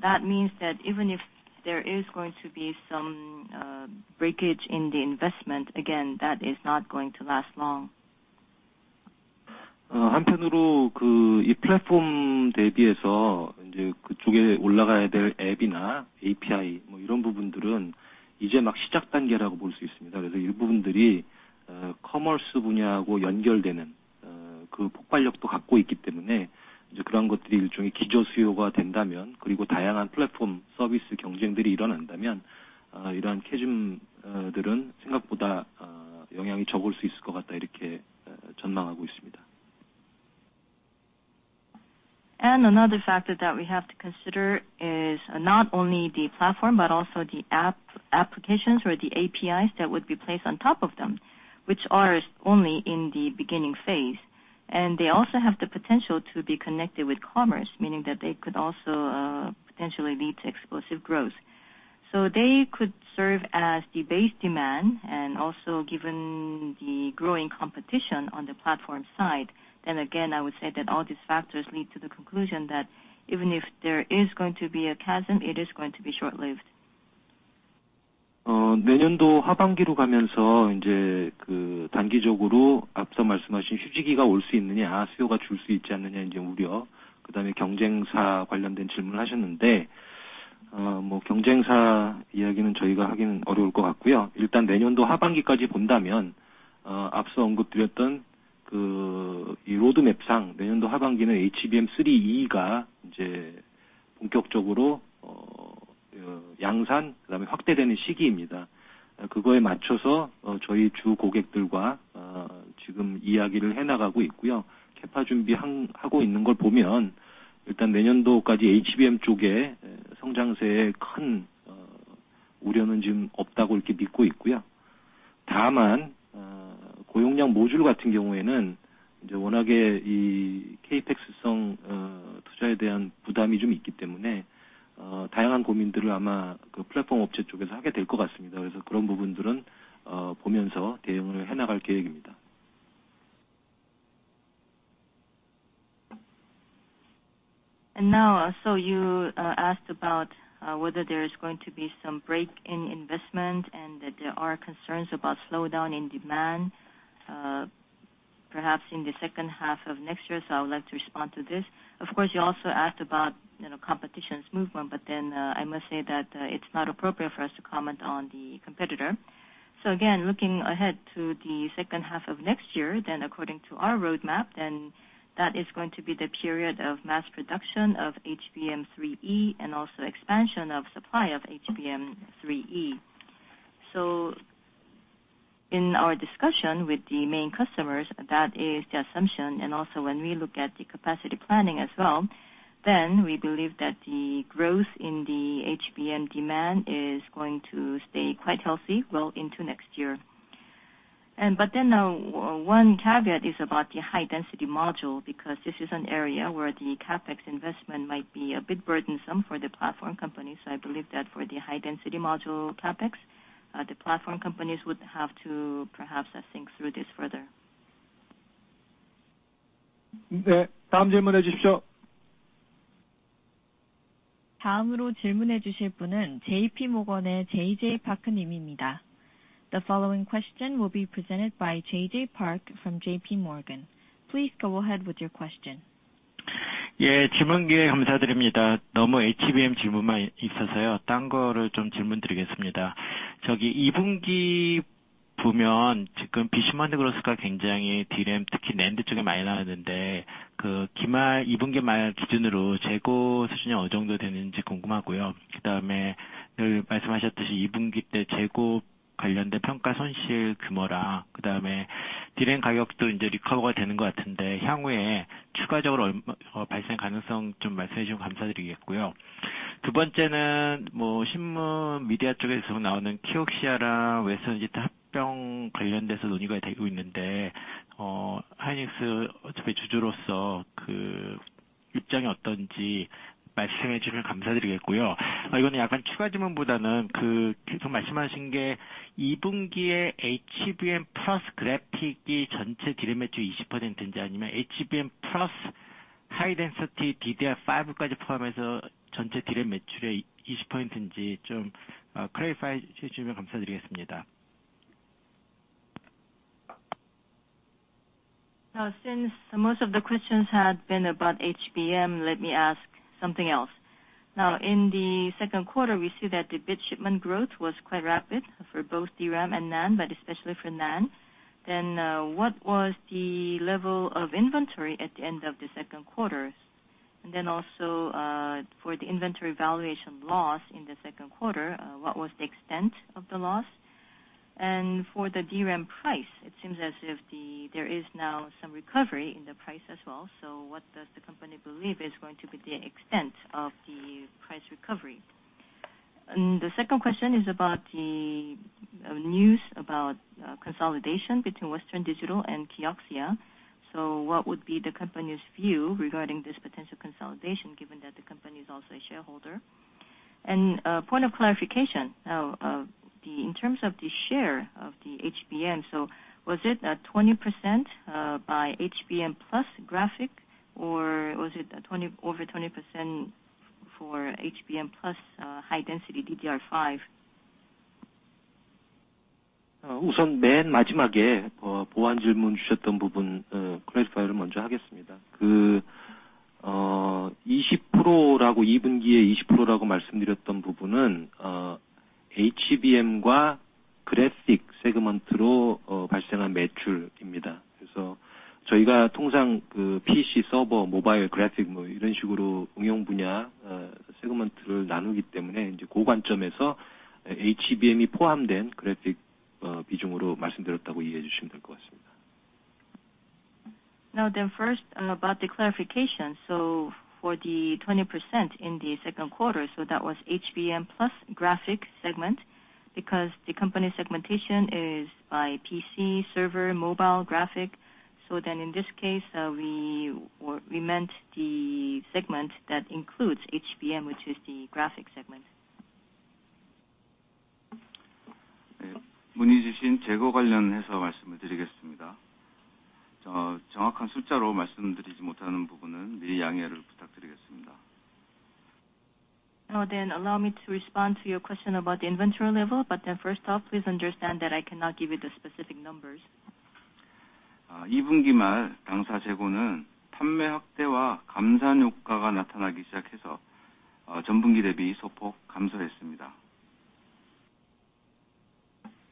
That means that even if there is going to be some breakage in the investment, again, that is not going to last long. 한편으로 그, 이 플랫폼 대비해서 이제 그쪽에 올라가야 될 앱이나 API, 뭐 이런 부분들은 이제 막 시작 단계라고 볼수 있습니다. 이 부분들이, 커머스 분야하고 연결되는, 그 폭발력도 갖고 있기 때문에, 이제 그러한 것들이 일종의 기저 수요가 된다면, 다양한 플랫폼 서비스 경쟁들이 일어난다면, 이러한 캐즘 들은 생각보다 영향이 적을 수 있을 것 같다, 이렇게 전망하고 있습니다. Another factor that we have to consider is not only the platform, but also the app applications or the APIs that would be placed on top of them, which are only in the beginning phase. They also have the potential to be connected with commerce, meaning that they could also, potentially lead to explosive growth. They could serve as the base demand. Also given the growing competition on the platform side, again, I would say that all these factors lead to the conclusion that even if there is going to be a chasm, it is going to be short-lived. 내년도 하반기로 가면서 이제 그 단기적으로 앞서 말씀하신 휴지기가 올수 있느냐? 수요가 줄수 있지 않느냐? 이제 우려, 그다음에 경쟁사 관련된 질문을 하셨는데, 뭐 경쟁사 이야기는 저희가 하기는 어려울 것 같고요. 일단 내년도 하반기까지 본다면, 앞서 언급드렸던 그이 로드맵상 내년도 하반기는 HBM3E가 이제 본격적으로 양산 그다음에 확대되는 시기입니다. 그거에 맞춰서 저희 주 고객들과 지금 이야기를 해나가고 있고요. 캐파 준비 하고 있는 걸 보면 일단 내년도까지 HBM 쪽에 성장세에 큰 우려는 지금 없다고 이렇게 믿고 있고요. 다만, 고용량 모듈 같은 경우에는 이제 워낙에 이 CapEx성 투자에 대한 부담이 좀 있기 때문에, 다양한 고민들을 아마 그 플랫폼 업체 쪽에서 하게 될것 같습니다. 그래서 그런 부분들은 보면서 대응을 해나갈 계획입니다. Now, you asked about whether there is going to be some break in investment and that there are concerns about slowdown in demand, perhaps in the H2 of next year. I would like to respond to this. Of course, you also asked about, you know, competition's movement, I must say that it's not appropriate for us to comment on the competitor. Again, looking ahead to the H2 of next year, according to our roadmap, that is going to be the period of mass production of HBM3E and also expansion of supply of HBM3E. In our discussion with the main customers, that is the assumption. When we look at the capacity planning as well, then we believe that the growth in the HBM demand is going to stay quite healthy well into next year. One caveat is about the high density module, because this is an area where the CapEx investment might be a bit burdensome for the platform companies. I believe that for the high density module CapEx, the platform companies would have to perhaps think through this further. 네, 다음 질문해 주십시오. 다음으로 질문해 주실 분은 JP Morgan의 JJ Park님입니다. The following question will be presented by J.J. Park from JPMorgan. Please go ahead with your question. 질문 기회 감사드립니다. 너무 HBM 질문만 있어서요. 딴 거를 좀 질문드리겠습니다. 2분기 보면 지금 굉장히 DRAM, 특히 NAND 쪽에 많이 나왔는데, 그 기말, 2분기 말 기준으로 재고 수준이 어느 정도 되는지 궁금하고요. 늘 말씀하셨듯이 2분기 때 재고 관련된 평가 손실 규모랑, DRAM 가격도 이제 리커버가 되는 것 같은데, 향후에 추가적으로 얼마 발생 가능성 좀 말씀해 주시면 감사드리겠고요. 두 번째는 신문 미디어 쪽에서 나오는 Kioxia랑 Western Digital 합병 관련돼서 논의가 되고 있는데, SK hynix 어차피 주주로서 그 입장이 어떤지 말씀해 주시면 감사드리겠고요. 이거는 약간 추가 질문보다는 그 계속 말씀하신 게 2분기에 HBM 플러스 그래픽이 전체 DRAM 매출의 20%인지, 아니면 HBM 플러스 하이덴서티 DDR5까지 포함해서 전체 DRAM 매출의 20%인지 좀 clarify 해주시면 감사드리겠습니다. Since most of the questions had been about HBM, let me ask something else. In the Q2, we see that the bit shipment growth was quite rapid for both DRAM and NAND, but especially for NAND. What was the level of inventory at the end of the Q2? For the inventory valuation loss in the Q2, what was the extent of the loss? For the DRAM price, it seems as if there is now some recovery in the price as well. What does the company believe is going to be the extent of the price recovery? The second question is about the news about consolidation between Western Digital and Kioxia. What would be the company's view regarding this potential consolidation, given that the company is also a shareholder? Point of clarification, now, in terms of the share of the HBM, was it at 20% by HBM plus graphic, or was it over 20% for HBM plus high density DDR5? 우선 맨 마지막에 어 보완 질문 주셨던 부분, uh, clarify를 먼저 하겠습니다. 그 uh, 이십 프로라고, 이 분기에 이십 프로라고 말씀드렸던 부분은 uh, HBM과 graphic segment로 어 발생한 매출입니다. 그래서 저희가 통상 그 PC, server, mobile, graphic, 뭐 이런 식으로 응용 분야 uh, segment를 나누기 때문에, 이제 그 관점에서 HBM이 포함된 graphic uh, 비중으로 말씀드렸다고 이해해 주시면 될것 같습니다. First, about the clarification. For the 20% in the Q2, so that was HBM plus graphic segment, because the company segmentation is by PC, server, mobile, graphic. In this case, we meant the segment that includes HBM, which is the graphics segment.... 문의 주신 재고 관련해서 말씀을 드리겠습니다. 저, 정확한 숫자로 말씀드리지 못하는 부분은 미리 양해를 부탁드리겠습니다. Allow me to respond to your question about the inventory level, first off, please understand that I cannot give you the specific numbers. Uh, 이 분기 말 당사 재고는 판매 확대와 감산 효과가 나타나기 시작해서, uh, 전분기 대비 소폭 감소했습니다. At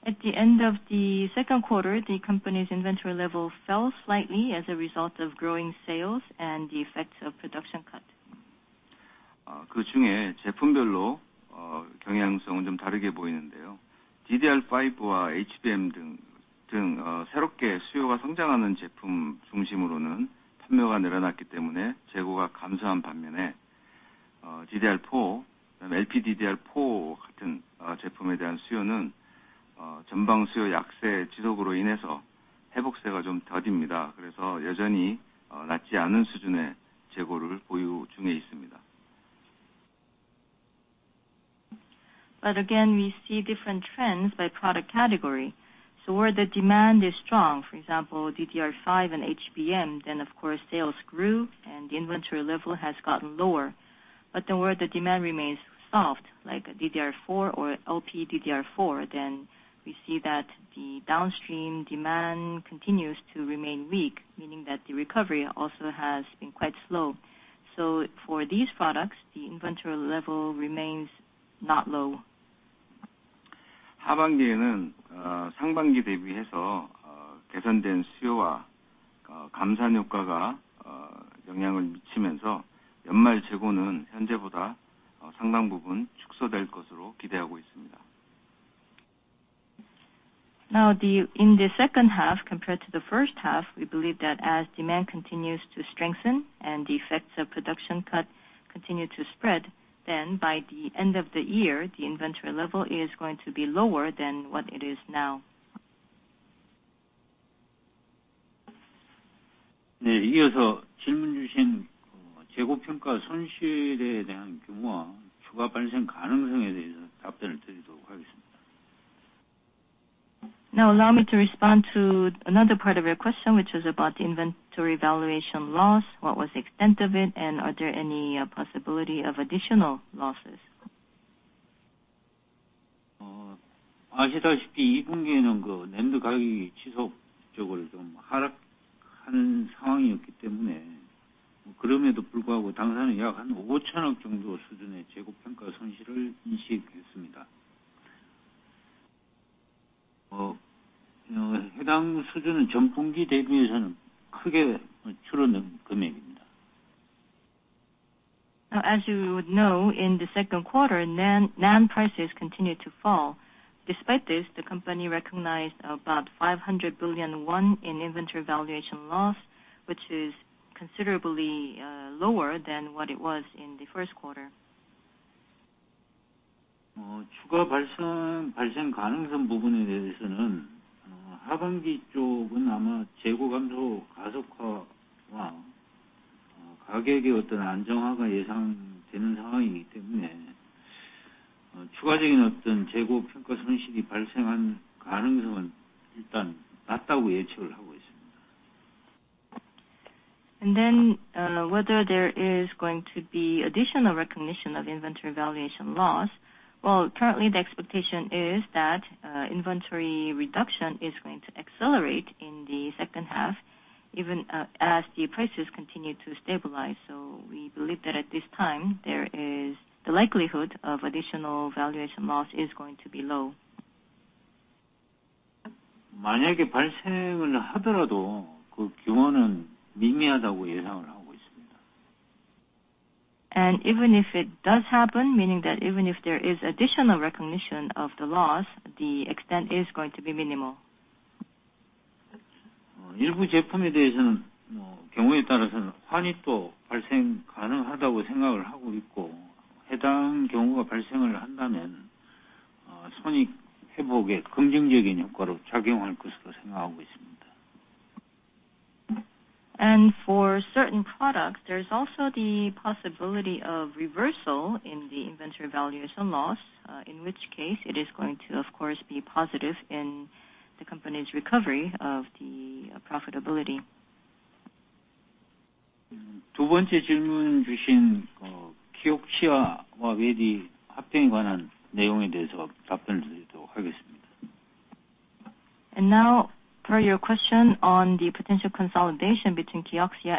the end of the Q2, the company's inventory level fell slightly as a result of growing sales and the effects of production cuts. 그중에 제품별로, 경향성은 좀 다르게 보이는데요. DDR5와 HBM 새롭게 수요가 성장하는 제품 중심으로 판매가 늘어났기 때문에 재고가 감소한 반면에, DDR4, LPDDR4 같은 제품에 대한 수요는 전방 수요 약세 지속으로 인해서 회복세가 좀 더딥니다. 여전히, 낮지 않은 수준의 재고를 보유 중에 있습니다. Again, we see different trends by product category. Where the demand is strong, for example, DDR5 and HBM, of course, sales grew and the inventory level has gotten lower. Where the demand remains soft, like DDR4 or LPDDR4, we see that the downstream demand continues to remain weak, meaning that the recovery also has been quite slow. For these products, the inventory level remains not low. 하반기에는, 상반기 대비해서, 개선된 수요와, 감산 효과가, 영향을 미치면서 연말 재고는 현재보다, 상당 부분 축소될 것으로 기대하고 있습니다. In the H2, compared to the H1, we believe that as demand continues to strengthen and the effects of production cuts continue to spread, then by the end of the year, the inventory level is going to be lower than what it is now. 네, 이어서 질문 주신, 재고 평가 손실에 대한 규모와 추가 발생 가능성에 대해서 답변을 드리도록 하겠습니다. Allow me to respond to another part of your question, which is about the inventory valuation loss. What was the extent of it, and are there any possibility of additional losses? Uh, 아시다시피 이 분기에는, 그, 낸드 가격이 지속적으로 좀 하락하는 상황이었기 때문에, 그럼에도 불구하고 당사는 약한 오천억 정도 수준의 재고 평가 손실을 인식했습니다. Uh, 해당 수준은 전분기 대비해서는 크게 줄어든 금액입니다. as you would know, in the Q2, NAND prices continued to fall. Despite this, the company recognized about 500 billion won in inventory valuation loss, which is considerably lower than what it was in the Q1. Uh, 추가 발생, 발생 가능성 부분에 대해서는, uh, 하반기 쪽은 아마 재고 감소 가속화와, uh, 가격의 어떤 안정화가 예상되는 상황이기 때문에, uh, 추가적인 어떤 재고 평가 손실이 발생할 가능성은 일단 낮다고 예측을 하고 있습니다. Whether there is going to be additional recognition of inventory valuation loss? Well, currently, the expectation is that inventory reduction is going to accelerate in the H2, even as the prices continue to stabilize. We believe that at this time, there is the likelihood of additional valuation loss is going to be low. 만약에 발생을 하더라도 그 규모는 미미하다고 예상을 하고 있습니다. Even if it does happen, meaning that even if there is additional recognition of the loss, the extent is going to be minimal. 일부 제품에 대해서는, 경우에 따라서는 환위도 발생 가능하다고 생각을 하고 있고, 해당 경우가 발생을 한다면, 손익 회복에 긍정적인 효과로 작용할 것으로 생각하고 있습니다. For certain products, there's also the possibility of reversal in the inventory valuation loss, in which case it is going to, of course, be positive in the company's recovery of the profitability. 두 번째 질문 주신, Kioxia와 WD 합병에 관한 내용에 대해서 답변을 드리도록 하겠습니다. Now for your question on the potential consolidation between Kioxia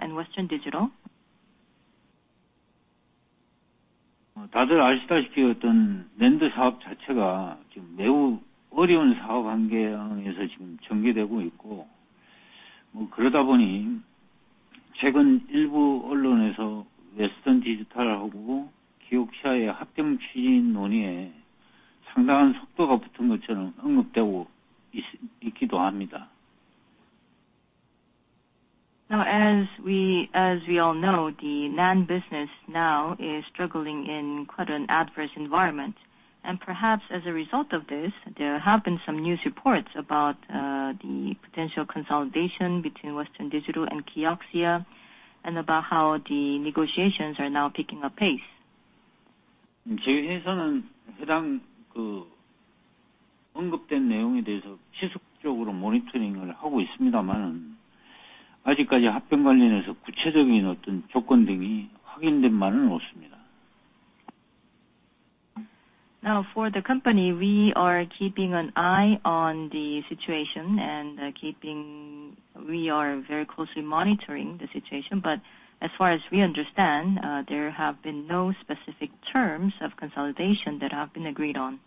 and Western Digital. 다들 아시다시피 어떤 NAND 사업 자체가 지금 매우 어려운 사업 환경에서 지금 전개되고 있고, 그러다 보니 최근 일부 언론에서 Western Digital하고 Kioxia의 합병 추진 논의에 상당한 속도가 붙은 것처럼 언급되고 있기도 합니다. Now, as we all know, the NAND business now is struggling in quite an adverse environment. Perhaps as a result of this, there have been some news reports about the potential consolidation between Western Digital and Kioxia and about how the negotiations are now picking up pace. 저희 회사는 해당 그 언급된 내용에 대해서 지속적으로 모니터링을 하고 있습니다마는, 아직까지 합병 관련해서 구체적인 어떤 조건 등이 확인된 바는 없습니다. For the company, we are keeping an eye on the situation, we are very closely monitoring the situation, as far as we understand, there have been no specific terms of consolidation that have been agreed on.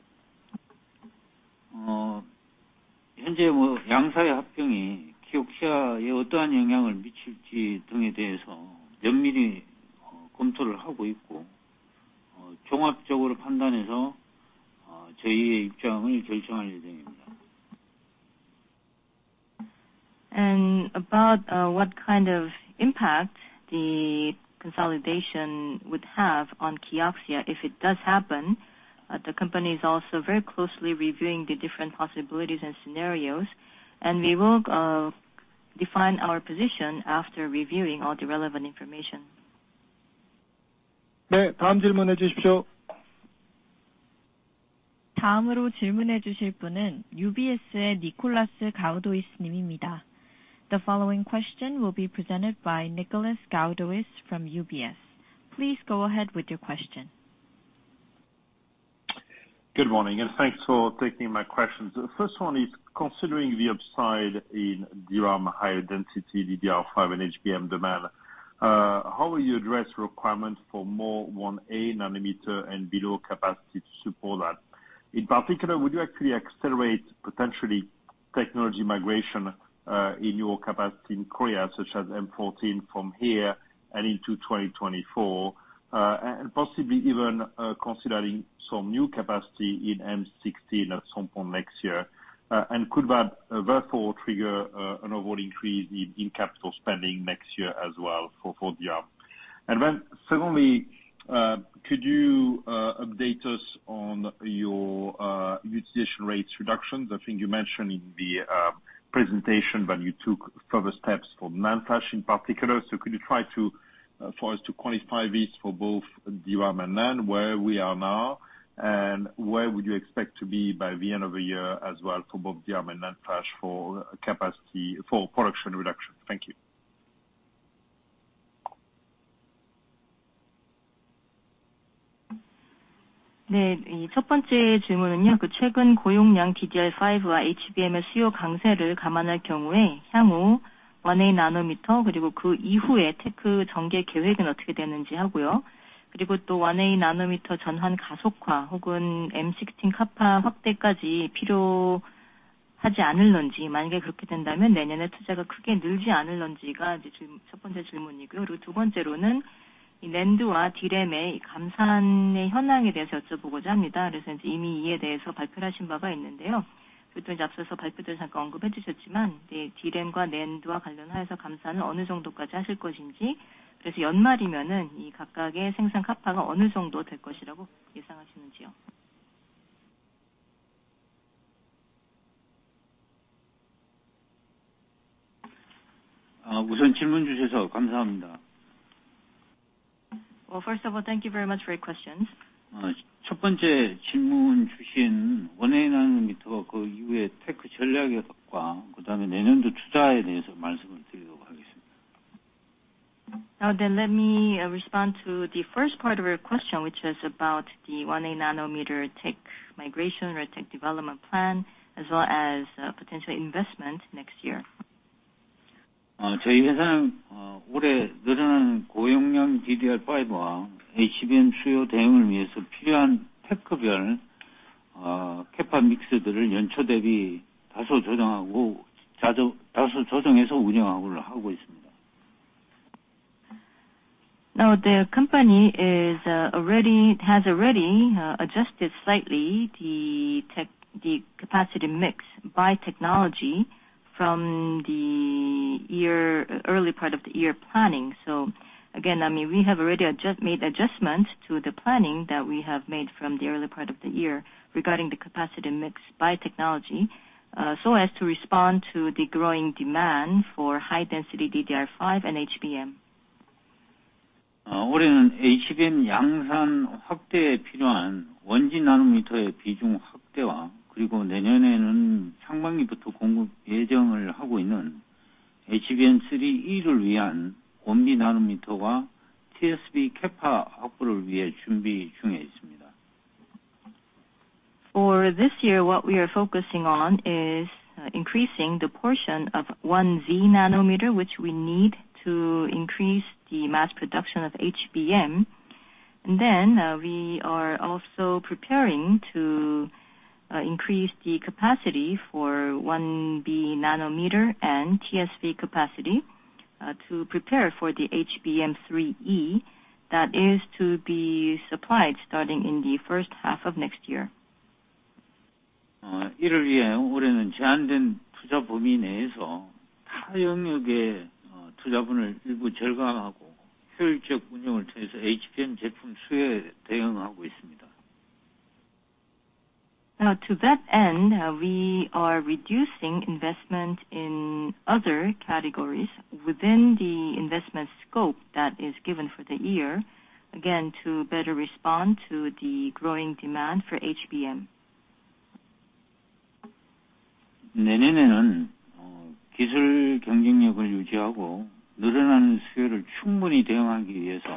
현재 양사의 합병이 Kioxia에 어떠한 영향을 미칠지 등에 대해서 면밀히 검토를 하고 있고, 종합적으로 판단해서 저희의 입장을 결정할 예정입니다. About what kind of impact the consolidation would have on Kioxia if it does happen, the company is also very closely reviewing the different possibilities and scenarios, and we will define our position after reviewing all the relevant information. 네, 다음 질문해 주십시오. 다음으로 질문해 주실 분은 UBS의 니콜라스 가우도이스 님입니다. The following question will be presented by Nicolas Gaudois from UBS. Please go ahead with your question. Good morning, and thanks for taking my questions. The first one is: considering the upside in DRAM, higher density, DDR5 and HBM demand, how will you address requirements for more 1a nanometer and below capacity to support that? In particular, would you actually accelerate potentially technology migration in your capacity in Korea, such as M14 from here and into 2024? And, and possibly even considering some new capacity in M16 at some point next year. Could that therefore trigger an overall increase in CapEx next year as well for DRAM? Secondly, could you update us on your utilization rates reductions? I think you mentioned in the presentation that you took further steps for NAND flash in particular. Could you try to for us to quantify this for both DRAM and NAND, where we are now, and where would you expect to be by the end of the year as well, for both DRAM and NAND flash, for capacity, for production reduction? Thank you. 네, 이, 첫 번째 질문은요. 그 최근 고용량 DDR5와 HBM의 수요 강세를 감안할 경우에 향후 1b 나노미터, 그리고 그 이후의 tech 전개 계획은 어떻게 되는지 하고요? 또 1b 나노미터 전환 가속화 혹은 M16 capa 확대까지 필요하지 않을는지, 만약에 그렇게 된다면 내년에 투자가 크게 늘지 않을는지가 이제 지금 첫 번째 질문이고요. 두 번째로는 이 NAND와 DRAM의 감산의 현황에 대해서 여쭤보고자 합니다. 이제 이미 이에 대해서 발표를 하신 바가 있는데요. 그것도 이제 앞서서 발표 때 잠깐 언급해 주셨지만, 이제 DRAM과 NAND와 관련하여서 감산은 어느 정도까지 하실 것인지? 연말이면은 이 각각의 생산 capa가 어느 정도 될 것이라고 예상하시는지요? 우선 질문 주셔서 감사합니다. Well, first of all, thank you very much for your questions. 첫 번째 질문 주신 나노미터와 그 이후의 테크 전략과 그다음에 내년도 투자에 대해서 말씀을 드리도록 하겠습니다. Let me respond to the first part of your question, which is about the 1a nanometer tech migration or tech development plan, as well as potential investment next year. 저희 회사는, 올해 늘어난 고용량 DDR5와 HBM 수요 대응을 위해서 필요한 테크별, capa 믹스들을 연초 대비 다소 조정하고, 다소 조정해서 운영하고를 하고 있습니다. The company has already adjusted slightly the capacity mix by technology from the year, early part of the year planning. Again, I mean, we have already made adjustments to the planning that we have made from the early part of the year regarding the capacity mix by technology, so as to respond to the growing demand for high density DDR5 and HBM. This year, for HBM mass production expansion, the necessary 1z nanometer proportion expansion, and next year, for HBM3E, which is for supply from the H1, we are preparing to secure 1z nanometer and tsv capa. For this year, what we are focusing on is increasing the portion of 1z nanometer, which we need to increase the mass production of HBM. We are also preparing to increase the capacity for 1b nanometer and TSV capacity to prepare for the HBM3E that is to be supplied starting in the H1 of next year. 이를 위해 올해는 제한된 투자 범위 내에서 타 영역의, 투자분을 일부 절감하고, 효율적 운영을 통해서 HBM 제품 수요에 대응하고 있습니다. To that end, we are reducing investment in other categories within the investment scope that is given for the year, again, to better respond to the growing demand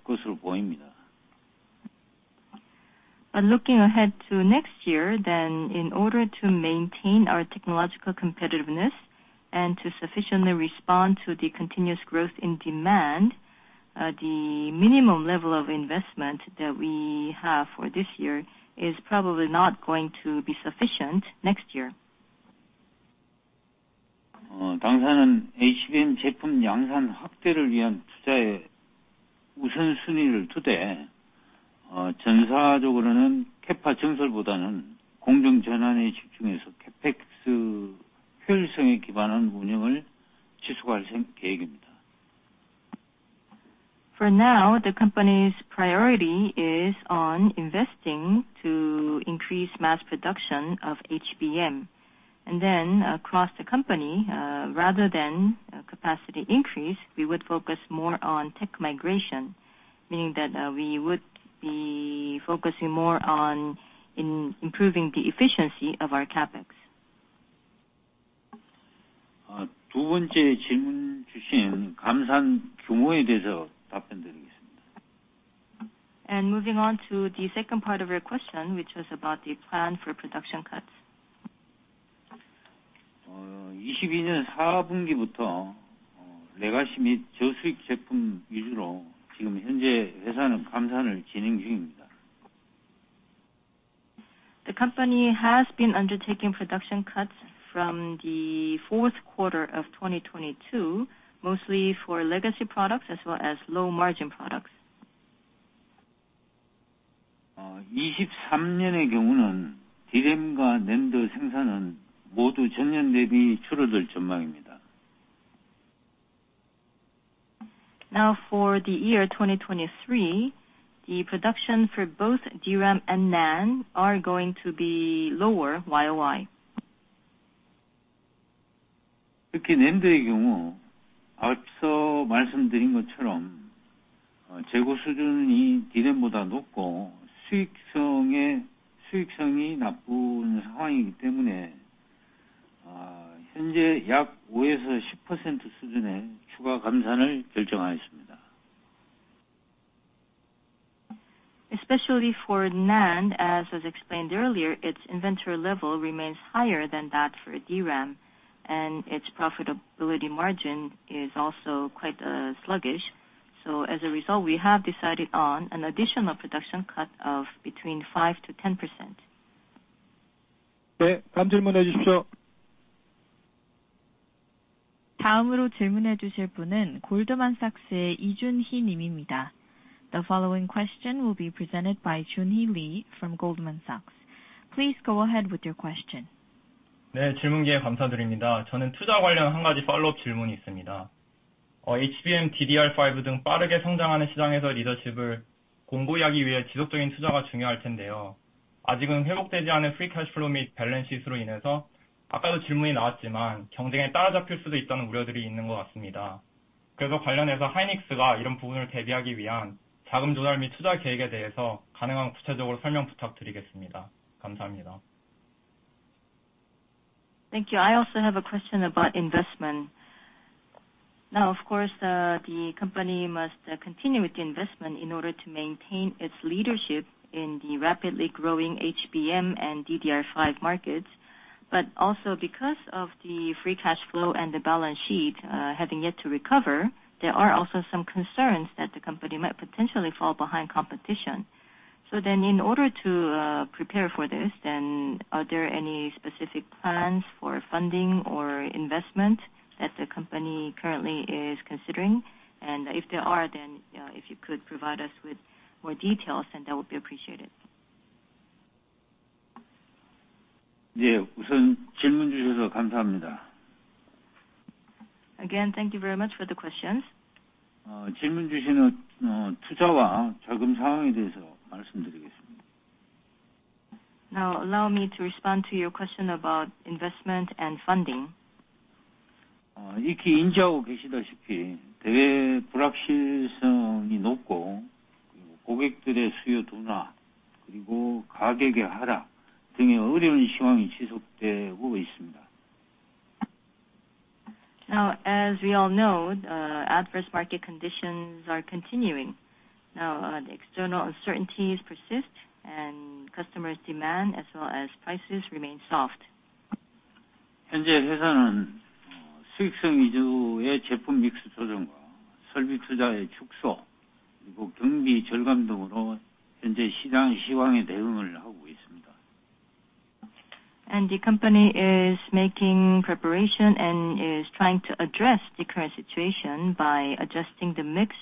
for HBM. Looking ahead to next year, in order to maintain our technological competitiveness and to sufficiently respond to the continuous growth in demand, the minimum level of investment that we have for this year is probably not going to be sufficient next year. For now, the company's priority is on investing to increase mass production of HBM. Across the company, rather than capacity increase, we would focus more on tech migration, meaning that we would be focusing more on improving the efficiency of our CapEx. Moving on to the second part of your question, which was about the plan for production cuts. The company has been undertaking production cuts from the Q4 of 2022, mostly for legacy products as well as low margin products. For the year 2023, the production for both DRAM and NAND are going to be lower year-over-year. Especially for NAND, as was explained earlier, its inventory level remains higher than that for DRAM, and its profitability margin is also quite sluggish. As a result, we have decided on an additional production cut of between 5% to 10%. The following question will be presented by Giuni Lee from Goldman Sachs. Please go ahead with your question. Thank you. I also have a question about investment. Of course, the company must continue with the investment in order to maintain its leadership in the rapidly growing HBM and DDR5 markets. Also because of the free cash flow and the balance sheet, having yet to recover, there are also some concerns that the company might potentially fall behind competition. In order to prepare for this, then are there any specific plans for funding or investment that the company currently is considering? If there are, then, if you could provide us with more details, then that would be appreciated. Again, thank you very much for the questions. Allow me to respond to your question about investment and funding. As we all know, adverse market conditions are continuing. The external uncertainties persist and customers' demand as well as prices remain soft. The company is making preparation and is trying to address the current situation by adjusting the mix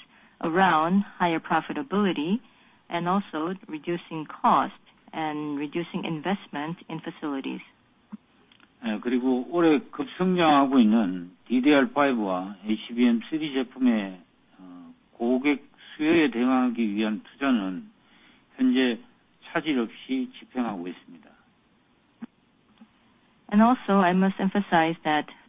around higher profitability and also reducing cost and reducing investment in facilities.... 그리고 올해 급성장하고 있는 DDR5와 HBM3 제품의 고객 수요에 대응하기 위한 투자는 현재 차질 없이 집행하고 있습니다. Also, I must emphasize that the investment necessary to respond to the customer's demand for DDR5 and HBM3 is underway as planned. Uh,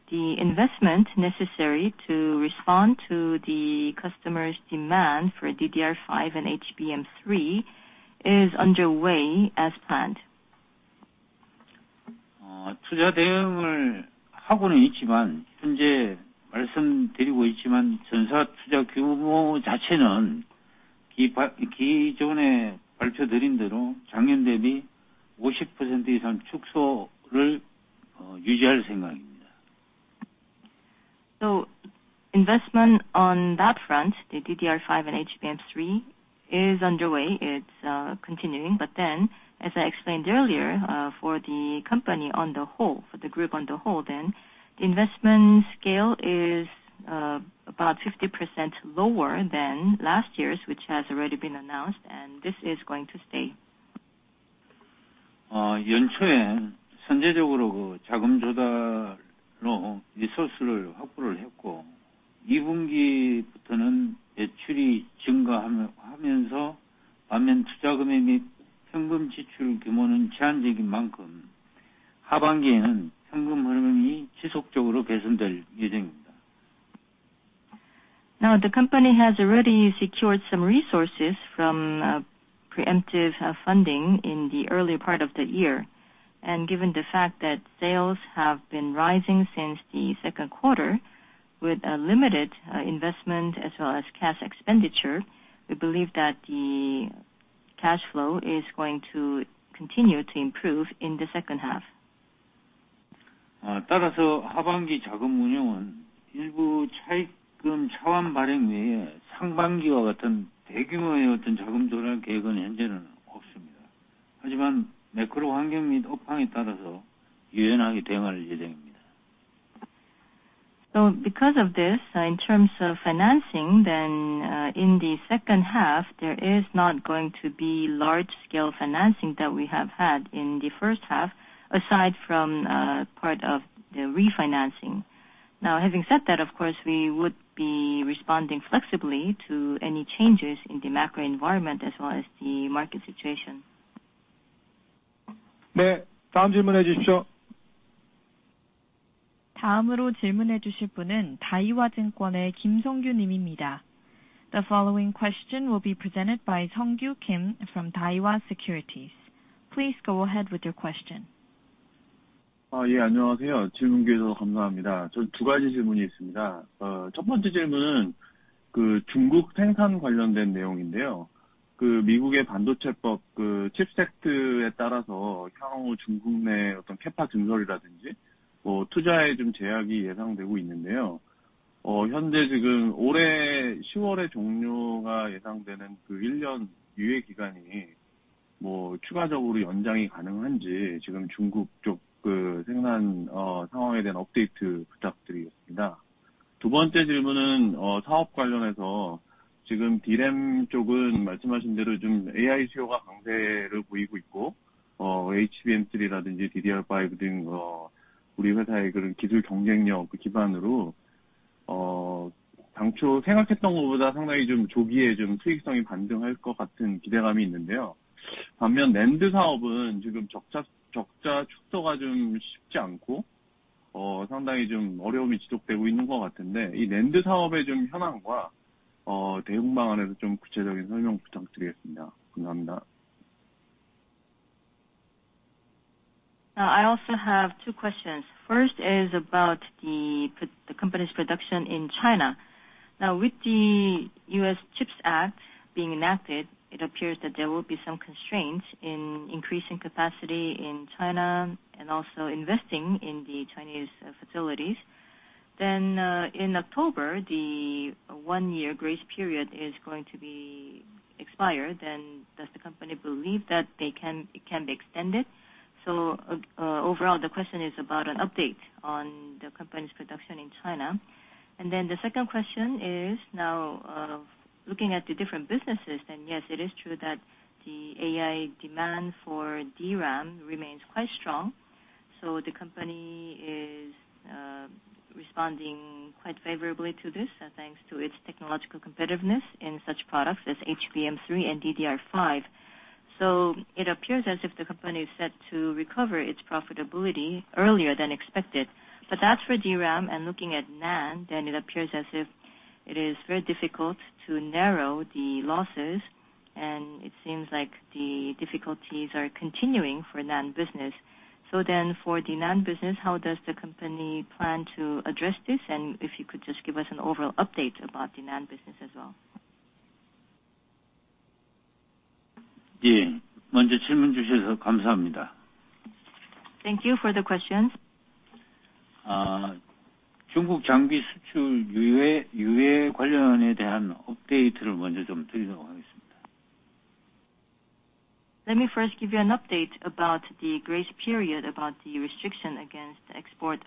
투자 대응을 하고는 있지만, 현재 말씀드리고 있지만, 전사 투자 규모 자체는 기, 기존에 발표드린 대로 작년 대비 오십 퍼센트 이상 축소를, uh, 유지할 생각입니다. Investment on that front, the DDR5 and HBM3 is underway. It's continuing, as I explained earlier, for the company on the whole, for the group on the whole, the investment scale is about 50% lower than last year's, which has already been announced, and this is going to stay. 연초에 선제적으로 그 자금 조달로 리소스를 확보를 했고, 2분기부터는 매출이 증가하면서 반면 투자금액 및 현금 지출 규모는 제한적인 만큼, 하반기에는 현금 흐름이 지속적으로 개선될 예정입니다. Now, the company has already secured some resources from, preemptive, funding in the early part of the year. Given the fact that sales have been rising since the Q2 with a limited, investment as well as cash expenditure, we believe that the cash flow is going to continue to improve in the H2. Uh, 따라서 하반기 자금운용은 일부 차입금 차환 발행 외에 상반기와 같은 대규모의 어떤 자금 조달 계획은 현재는 없습니다. 하지만 매크로 환경 및 업황에 따라서 유연하게 대응할 예정입니다. Because of this, in terms of financing, in the H2, there is not going to be large scale financing that we have had in the H1, aside from part of the refinancing. Having said that, of course, we would be responding flexibly to any changes in the macro environment as well as the market situation. The following question will be presented by Sung Kyu Kim from Daiwa Securities. Please go ahead with your question. Yeah. 안녕하세요, 질문 기회 주셔서 감사합니다. 전두 가지 질문이 있습니다. 첫 번째 질문은, 그 중국 생산 관련된 내용인데요. 그 미국의 반도체법, 그 CHIPS Act에 따라서 향후 중국 내 어떤 Capa 증설이라든지, 뭐 투자에 좀 제약이 예상되고 있는데요. 현재 지금 올해 October에 종료가 예상되는 그1 year 유예 기간이, 뭐 추가적으로 연장이 가능한지, 지금 중국 쪽그 생산 상황에 대한 업데이트 부탁드리겠습니다. 두 번째 질문은, 사업 관련해서 지금 DRAM 쪽은 말씀하신 대로 좀 AI 수요가 강세를 보이고 있고, HBM3라든지, DDR5 등, 우리 회사의 그런 기술 경쟁력 기반으로, 당초 생각했던 것보다 상당히 좀 조기에 좀 수익성이 반등할 것 같은 기대감이 있는데요. 반면 NAND 사업은 지금 적자 축소가 좀 쉽지 않고, 상당히 좀 어려움이 지속되고 있는 것 같은데, 이 NAND 사업의 좀 현황과 대응 방안에 대해서 좀 구체적인 설명 부탁드리겠습니다. 감사합니다. I also have two questions. First is about the company's production in China. Now, with the CHIPS Act being enacted, it appears that there will be some constraints in increasing capacity in China and also investing in the Chinese facilities. In October, the 1-year grace period is going to be expired, and does the company believe that they can, it can be extended? Overall, the question is about an update on the company's production in China. The second question is now, looking at the different businesses, then yes, it is true that the AI demand for DRAM remains quite strong. The company is responding quite favorably to this thanks to its technological competitiveness in such products as HBM3 and DDR5. It appears as if the company is set to recover its profitability earlier than expected. That's for DRAM, and looking at NAND, then it appears as if it is very difficult to narrow the losses, and it seems like the difficulties are continuing for NAND business. For the NAND business, how does the company plan to address this? If you could just give us an overall update about the NAND business as well? Yeah. 먼저 질문 주셔서 감사합니다. Thank you for the questions. 중국 장비 수출 유예 관련에 대한 업데이트를 먼저 좀 드리도록 하겠습니다. Let me first give you an update about the grace period, about the restriction against the export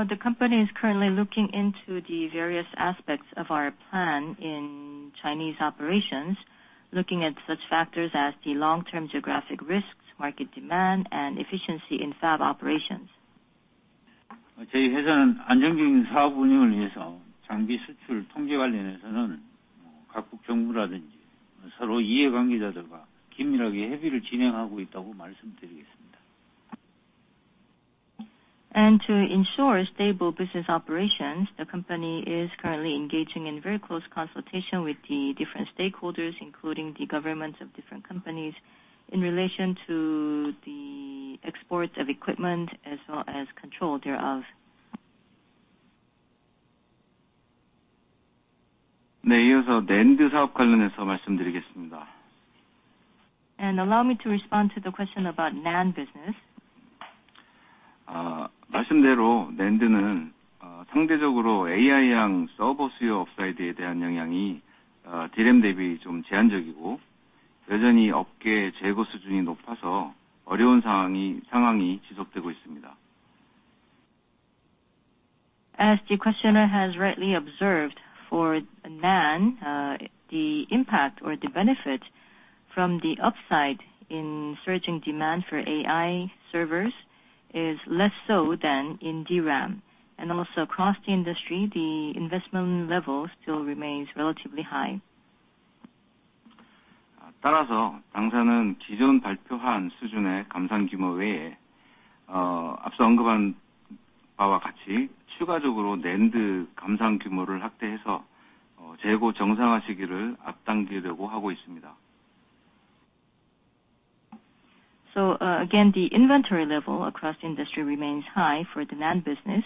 of equipment to China. We consider the overall aspects such as long-term geographic risk, market demand, and efficiency in fab operations. We are currently looking into the various aspects of our plan in Chinese operations, looking at such factors as the long-term geographic risks, market demand, and efficiency in fab operations. To ensure stable business operations, the company is currently engaging in very close consultation with the different stakeholders, including the governments of different countries, in relation to the export of equipment as well as control thereof. Allow me to respond to the question about NAND business. As the questioner has rightly observed, for NAND, the impact or the benefit from the upside in surging demand for AI servers is less so than in DRAM. Across the industry, the investment level still remains relatively high. Again, the inventory level across the industry remains high for the NAND business.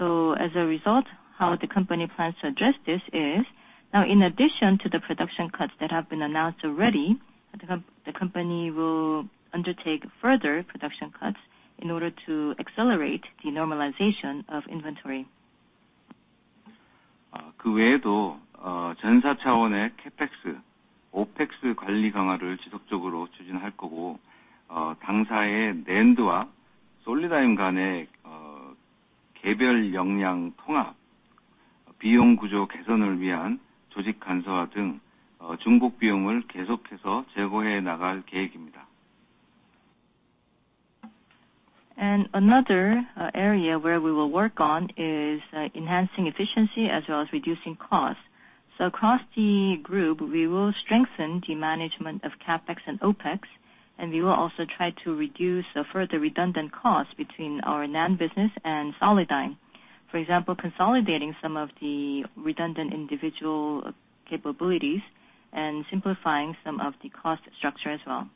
As a result, how the company plans to address this is, now, in addition to the production cuts that have been announced already, the company will undertake further production cuts in order to accelerate the normalization of inventory. Another area where we will work on is enhancing efficiency as well as reducing costs. Across the group, we will strengthen the management of CapEx and OpEx, and we will also try to reduce the further redundant costs between our NAND business and Solidigm. For example, consolidating some of the redundant individual capabilities and simplifying some of the cost structure as well.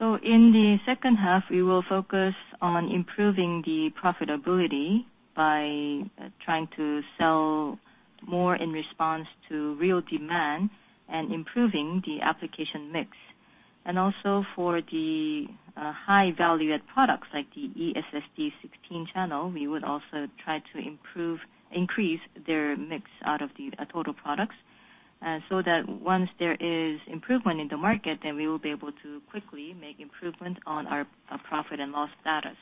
In the H2, we will focus on improving the profitability by trying to sell more in response to real demand and improving the application mix. Also for the high value-add products like the eSSD 16-channel, we would also try to increase their mix out of the total products so that once there is improvement in the market, then we will be able to quickly make improvement on our profit and loss status.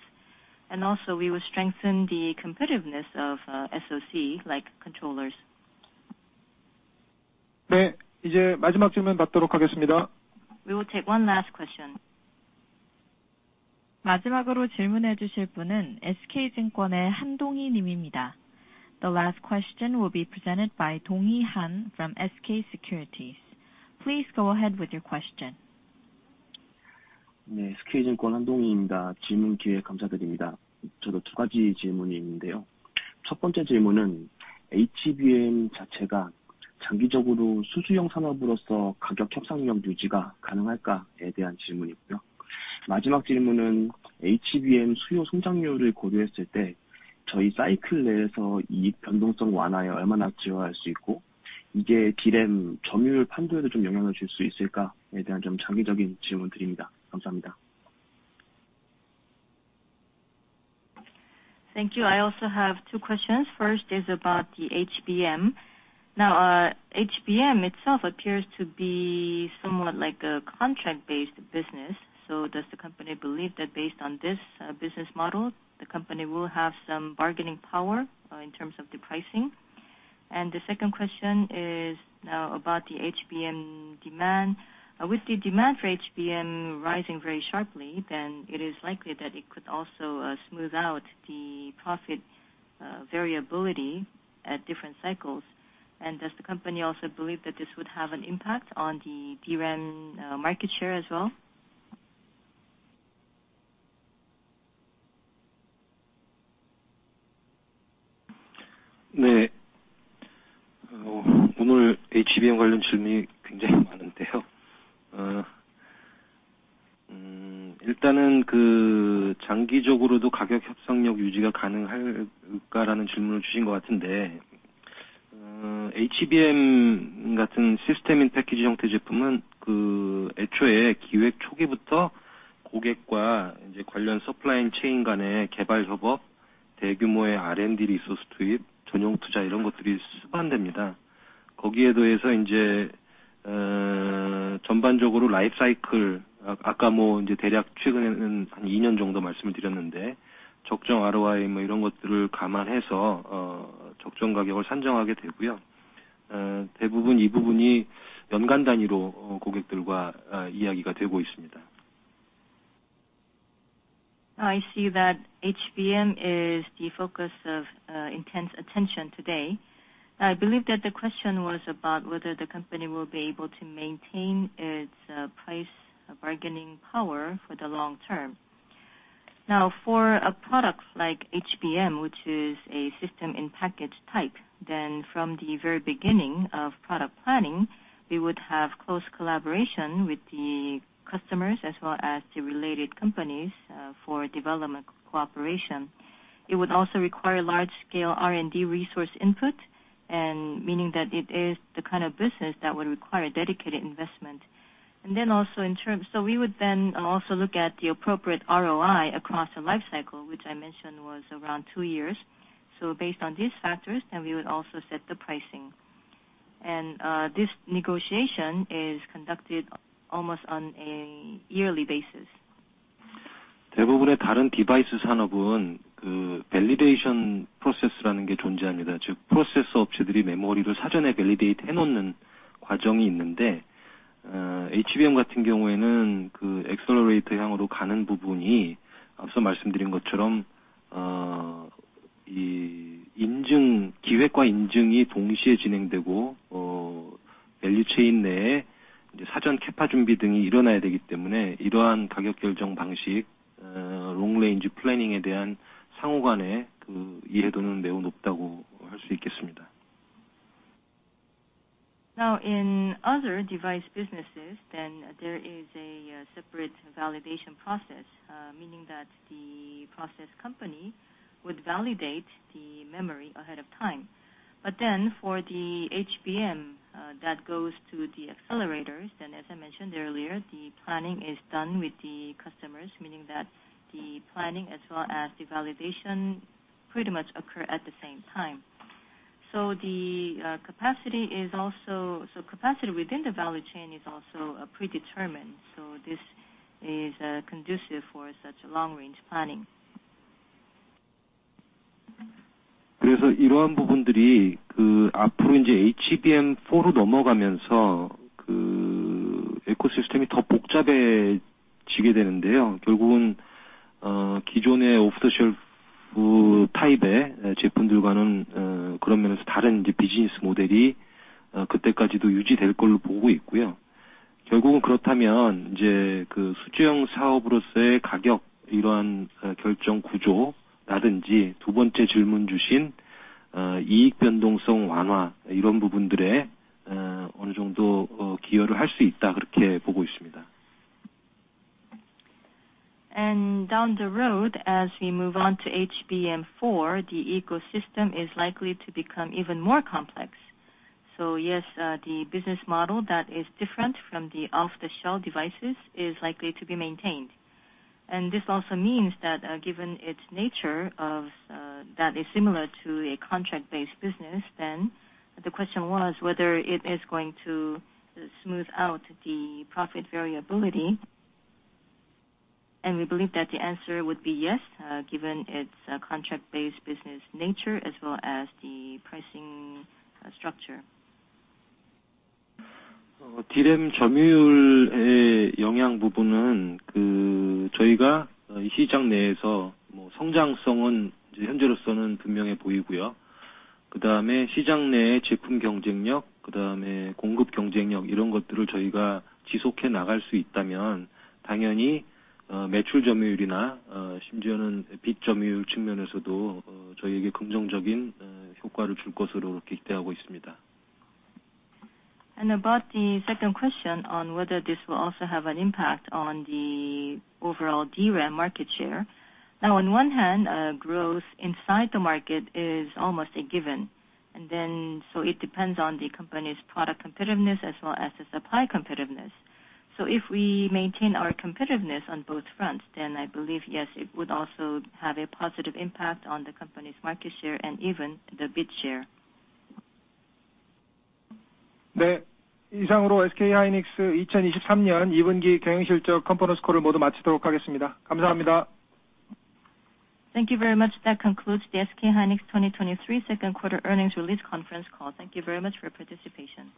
Also we will strengthen the competitiveness of SOC like controllers. We will take one last question. The last question will be presented by Dong-Hee Han from SK Securities. Please go ahead with your question. Thank you. I also have two questions. First is about the HBM. Now, HBM itself appears to be somewhat like a contract-based business. Does the company believe that based on this business model, the company will have some bargaining power in terms of the pricing? The second question is, now, about the HBM demand. With the demand for HBM rising very sharply, then it is likely that it could also smooth out the profit variability at different cycles? Does the company also believe that this would have an impact on the DRAM market share as well? I see that HBM is the focus of intense attention today. I believe that the question was about whether the company will be able to maintain its price bargaining power for the long term. For a product like HBM, which is a System-in-Package type, from the very beginning of product planning, we would have close collaboration with the customers as well as the related companies for development cooperation. It would also require large scale R&D resource input, and meaning that it is the kind of business that would require dedicated investment. In terms, we would then also look at the appropriate ROI across the life cycle, which I mentioned was around 2 years. This negotiation is conducted almost on a yearly basis. In other device businesses, there is a separate validation process, meaning that the process company would validate the memory ahead of time. For the HBM that goes to the accelerators, then as I mentioned earlier, the planning is done with the customers, meaning that the planning as well as the validation pretty much occur at the same time. The capacity within the value chain is also predetermined, so this is conducive for such long-range planning. Down the road, as we move on to HBM4, the ecosystem is likely to become even more complex. Yes, the business model that is different from the off-the-shelf devices is likely to be maintained. This also means that given its nature of that is similar to a contract-based business, then the question was whether it is going to smooth out the profit variability. We believe that the answer would be yes, given its contract-based business nature as well as the pricing structure. About the second question on whether this will also have an impact on the overall DRAM market share. On one hand, growth inside the market is almost a given, it depends on the company's product competitiveness as well as the supply competitiveness. If we maintain our competitiveness on both fronts, then I believe, yes, it would also have a positive impact on the company's market share and even the bit share. Thank you very much. That concludes the SK hynix 2023 Q2 earnings release conference call. Thank you very much for your participation.